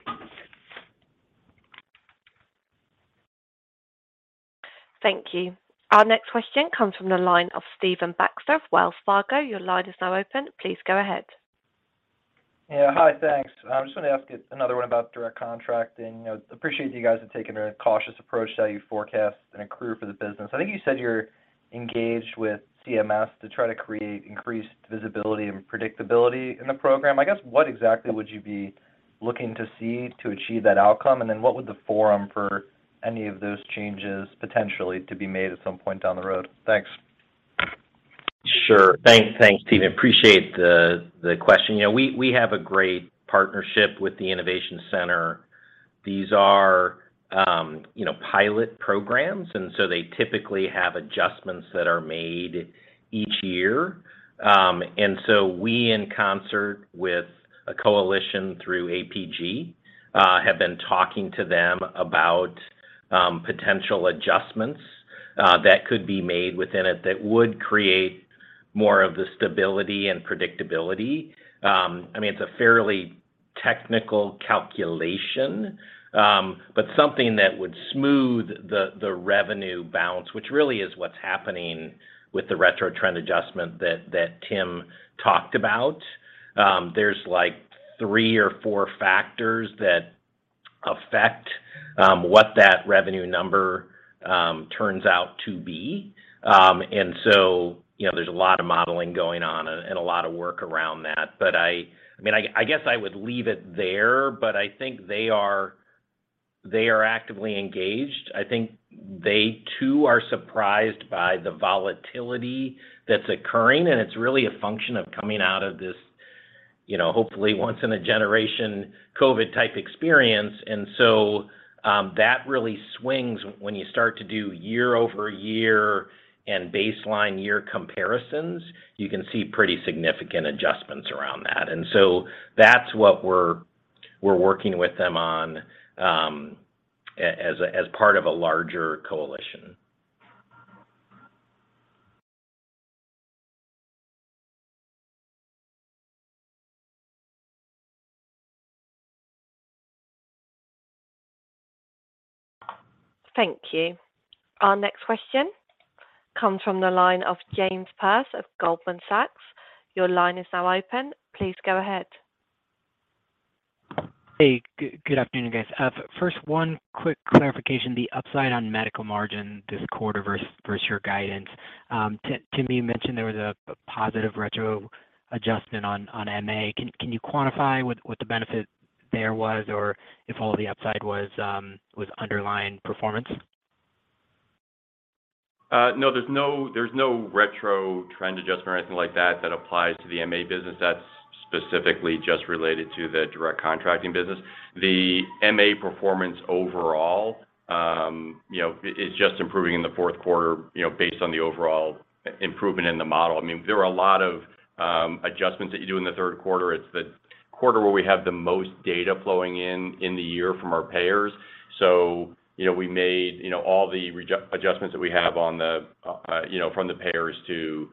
Thank you. Our next question comes from the line of Stephen Baxter of Wells Fargo. Your line is now open. Please go ahead. Yeah. Hi, thanks. I just want to ask you another one about Direct Contracting. You know, I appreciate that you guys have taken a cautious approach to how you forecast and accrue for the business. I think you said you're engaged with CMS to try to create increased visibility and predictability in the program. I guess, what exactly would you be looking to see to achieve that outcome? And then what would be the forum for any of those changes potentially to be made at some point down the road? Thanks. Sure. Thanks, Stephen. Appreciate the question. You know, we have a great partnership with the innovation center. These are, you know, pilot programs, and they typically have adjustments that are made each year. We, in concert with a coalition through APG, have been talking to them about potential adjustments that could be made within it that would create more of the stability and predictability. I mean, it's a fairly technical calculation, but something that would smooth the revenue balance, which really is what's happening with the retro trend adjustment that Tim talked about. There's, like, three or four factors that affect what that revenue number turns out to be. You know, there's a lot of modeling going on and a lot of work around that. I mean, I guess I would leave it there, but I think they are actively engaged. I think they, too, are surprised by the volatility that's occurring, and it's really a function of coming out of this, you know, hopefully once in a generation COVID type experience. That really swings when you start to do year-over-year and baseline year comparisons. You can see pretty significant adjustments around that. That's what we're working with them on as part of a larger coalition. Thank you. Our next question comes from the line of Jamie Perse of Goldman Sachs. Your line is now open. Please go ahead. Hey. Good afternoon, guys. First, one quick clarification. The upside on medical margin this quarter versus your guidance. Tim, you mentioned there was a positive retro adjustment on MA. Can you quantify what the benefit there was, or if all of the upside was underlying performance? No, there's no retro trend adjustment or anything like that that applies to the MA business. That's specifically just related to the Direct Contracting business. The MA performance overall, you know, it's just improving in the fourth quarter, you know, based on the overall improvement in the model. I mean, there are a lot of adjustments that you do in the third quarter. It's the quarter where we have the most data flowing in the year from our payers. You know, we made all the adjustments that we have from the payers to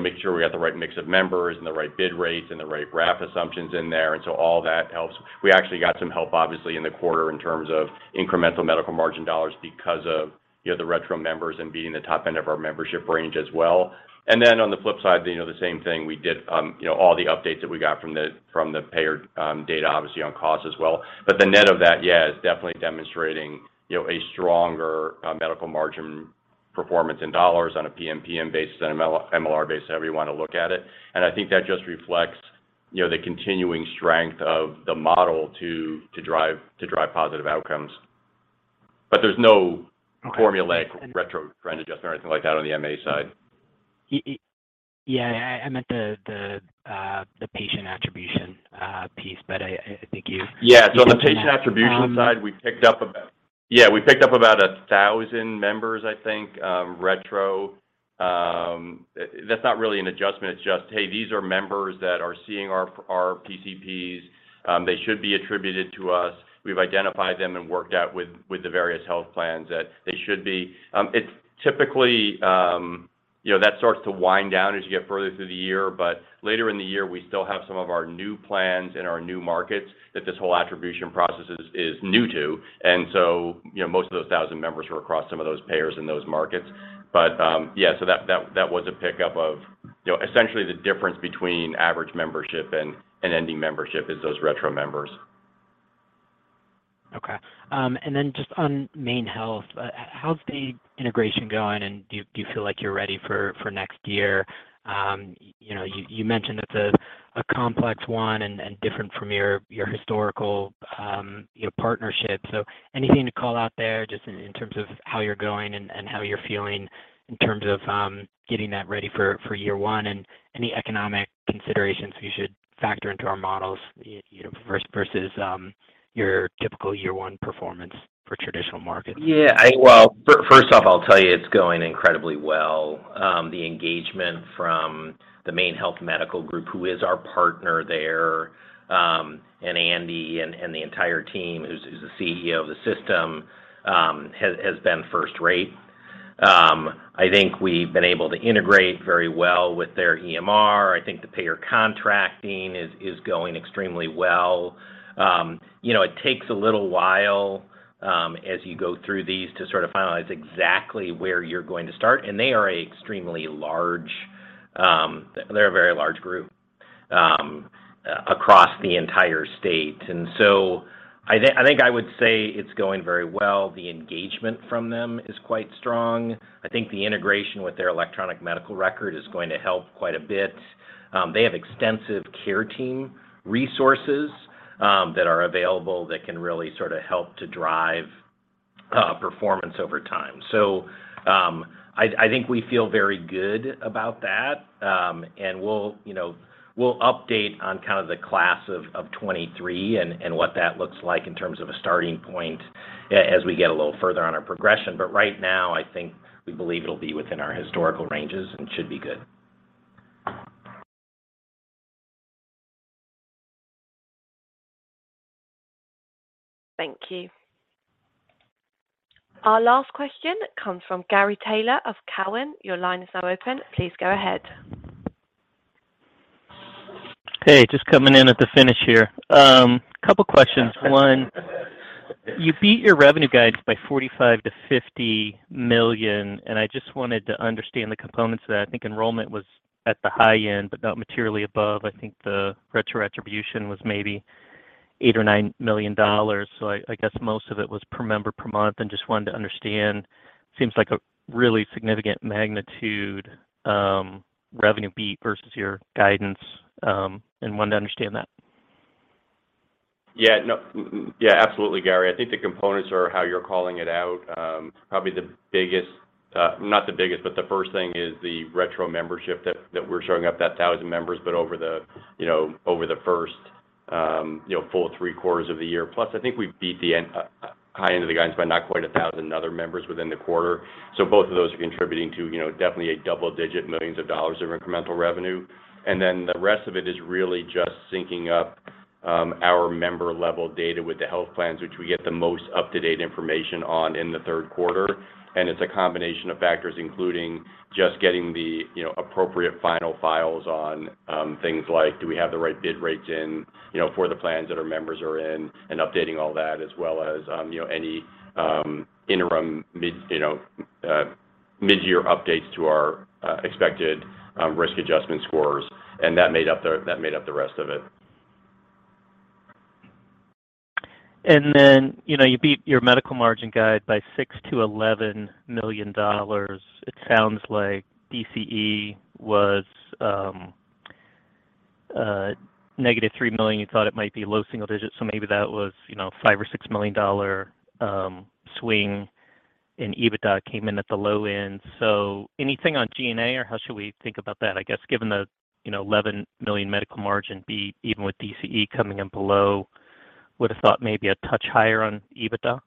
make sure we got the right mix of members and the right bid rates and the right RAF assumptions in there. All that helps. We actually got some help, obviously, in the quarter in terms of incremental medical margin dollars because of, you know, the retro members and being the top end of our membership range as well. On the flip side, you know, the same thing we did, all the updates that we got from the payer data, obviously, on costs as well. The net of that, yeah, is definitely demonstrating, you know, a stronger medical margin performance in dollars on a PMPM basis than an MLR basis, however you want to look at it. I think that just reflects, you know, the continuing strength of the model to drive positive outcomes. There's no formulaic retro trend adjustment or anything like that on the MA side. Yeah, I meant the patient attribution piece, but I think you- Yeah. On the patient attribution side, we picked up about 1,000 members, I think, retro. That's not really an adjustment. It's just, hey, these are members that are seeing our PCPs. They should be attributed to us. We've identified them and worked out with the various health plans that they should be. It's typically, you know, that starts to wind down as you get further through the year. Later in the year, we still have some of our new plans and our new markets that this whole attribution process is new to. You know, most of those 1,000 members were across some of those payers in those markets. Yeah, so that was a pickup of, you know, essentially the difference between average membership and ending membership is those retro members. Okay. Just on MaineHealth, how's the integration going, and do you feel like you're ready for next year? You know, you mentioned it's a complex one and different from your historical you know partnership. Anything to call out there just in terms of how you're going and how you're feeling in terms of getting that ready for year one, and any economic considerations we should factor into our models, you know versus your typical year one performance for traditional markets? Yeah. Well, first off, I'll tell you it's going incredibly well. The engagement from the MaineHealth Medical Group, who is our partner there, and Andy and the entire team, who's the CEO of the system, has been first rate. I think we've been able to integrate very well with their EMR. I think the payer contracting is going extremely well. You know, it takes a little while, as you go through these to sort of finalize exactly where you're going to start. They are an extremely large. They're a very large group, across the entire state. I think I would say it's going very well. The engagement from them is quite strong. I think the integration with their electronic medical record is going to help quite a bit. They have extensive care team resources that are available that can really sort of help to drive performance over time. I think we feel very good about that. We'll, you know, update on kind of the class of 2023 and what that looks like in terms of a starting point as we get a little further on our progression. Right now, I think we believe it'll be within our historical ranges and should be good. Thank you. Our last question comes from Gary Taylor of Cowen. Your line is now open. Please go ahead. Hey, just coming in at the finish here. Couple questions. One, you beat your revenue guidance by $45-$50 million, and I just wanted to understand the components of that. I think enrollment was at the high end, but not materially above. I think the retro attribution was maybe $8-$9 million. I guess most of it was per member per month, and just wanted to understand. Seems like a really significant magnitude, revenue beat versus your guidance, and wanted to understand that. Yeah, absolutely, Gary. I think the components are how you're calling it out. Probably the biggest, not the biggest, but the first thing is the retro membership that we're showing up, that 1,000 members, but over the first, you know, full three quarters of the year. Plus, I think we beat the high end of the guidance by not quite 1,000 other members within the quarter. Both of those are contributing to, you know, definitely double-digit millions of dollars of incremental revenue. Then the rest of it is really just syncing up our member-level data with the health plans, which we get the most up-to-date information on in the third quarter. It's a combination of factors, including just getting the, you know, appropriate final files on things like do we have the right bid rates in, you know, for the plans that our members are in and updating all that, as well as, you know, any interim mid-year updates to our expected risk adjustment scores. That made up the rest of it. You know, you beat your medical margin guide by $6 million-$11 million. It sounds like DCE was negative $3 million. You thought it might be low single digits, so maybe that was, you know, $5 million or $6 million-dollar swing, and EBITDA came in at the low end. Anything on G&A, or how should we think about that? I guess given the, you know, $11 million medical margin be even with DCE coming in below, would have thought maybe a touch higher on EBITDA.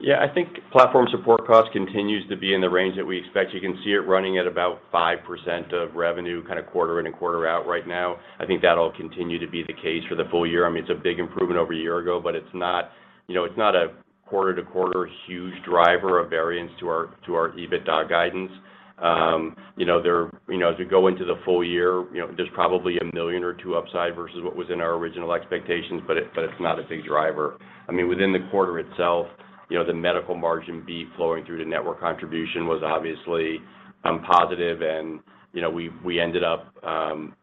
Yeah. I think platform support costs continues to be in the range that we expect. You can see it running at about 5% of revenue kind of quarter in and quarter out right now. I think that'll continue to be the case for the full year. I mean, it's a big improvement over a year ago, but it's not, you know, it's not a quarter-to-quarter huge driver of variance to our EBITDA guidance. You know, as we go into the full year, you know, there's probably $1 million or $2 million upside versus what was in our original expectations, but it's not a big driver. I mean, within the quarter itself, you know, the medical margin beat flowing through to network contribution was obviously positive and, you know, we ended up,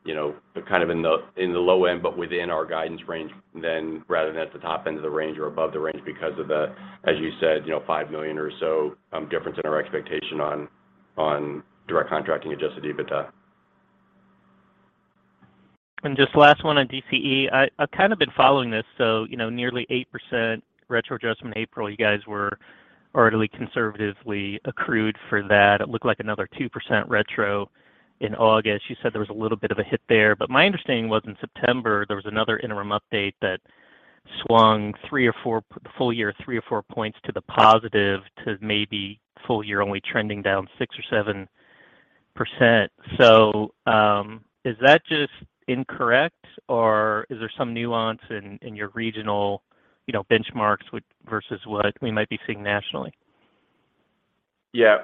you know, kind of in the low end, but within our guidance range then, rather than at the top end of the range or above the range because of the, as you said, you know, $5 million or so difference in our expectation on Direct Contracting Adjusted EBITDA. Just last one on DCE. I've kind of been following this, so you know, nearly 8% retro adjustment April, you guys were orderly, conservatively accrued for that. It looked like another 2% retro in August. You said there was a little bit of a hit there. My understanding was in September, there was another interim update that swung three or four full year, three or four points to the positive to maybe full year only trending down six or 7%. Is that just incorrect or is there some nuance in your regional, you know, benchmarks with versus what we might be seeing nationally? Yeah.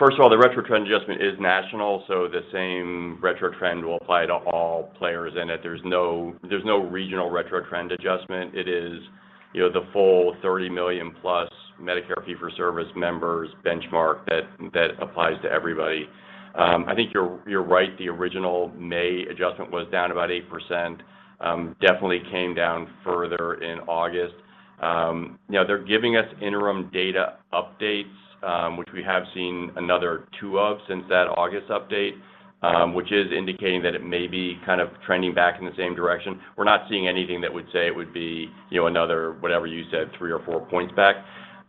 First of all, the retro trend adjustment is national, so the same retro trend will apply to all players in it. There's no regional retro trend adjustment. It is, you know, the full 30 million-plus Medicare fee-for-service members benchmark that applies to everybody. I think you're right. The original May adjustment was down about 8%. Definitely came down further in August. You know, they're giving us interim data updates, which we have seen another 2 of since that August update, which is indicating that it may be kind of trending back in the same direction. We're not seeing anything that would say it would be, you know, another, whatever you said, three or four points back.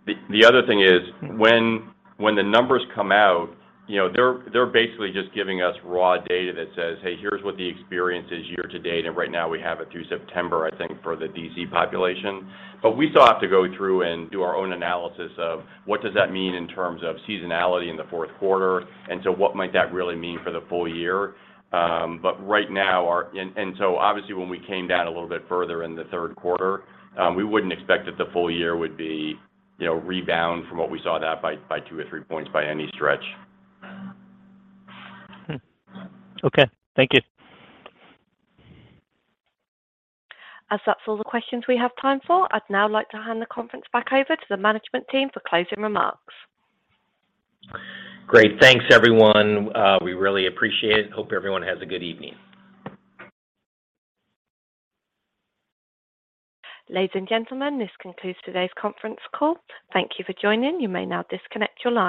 The other thing is when the numbers come out, you know, they're basically just giving us raw data that says, "Hey, here's what the experience is year to date." Right now we have it through September, I think, for the DC population. We still have to go through and do our own analysis of what does that mean in terms of seasonality in the fourth quarter, and so what might that really mean for the full year. So obviously when we came down a little bit further in the third quarter, we wouldn't expect that the full year would be, you know, rebound from what we saw that by two or three points by any stretch. Okay. Thank you. As that's all the questions we have time for, I'd now like to hand the conference back over to the management team for closing remarks. Great. Thanks, everyone. We really appreciate it. Hope everyone has a good evening. Ladies and gentlemen, this concludes today's conference call. Thank you for joining. You may now disconnect your lines.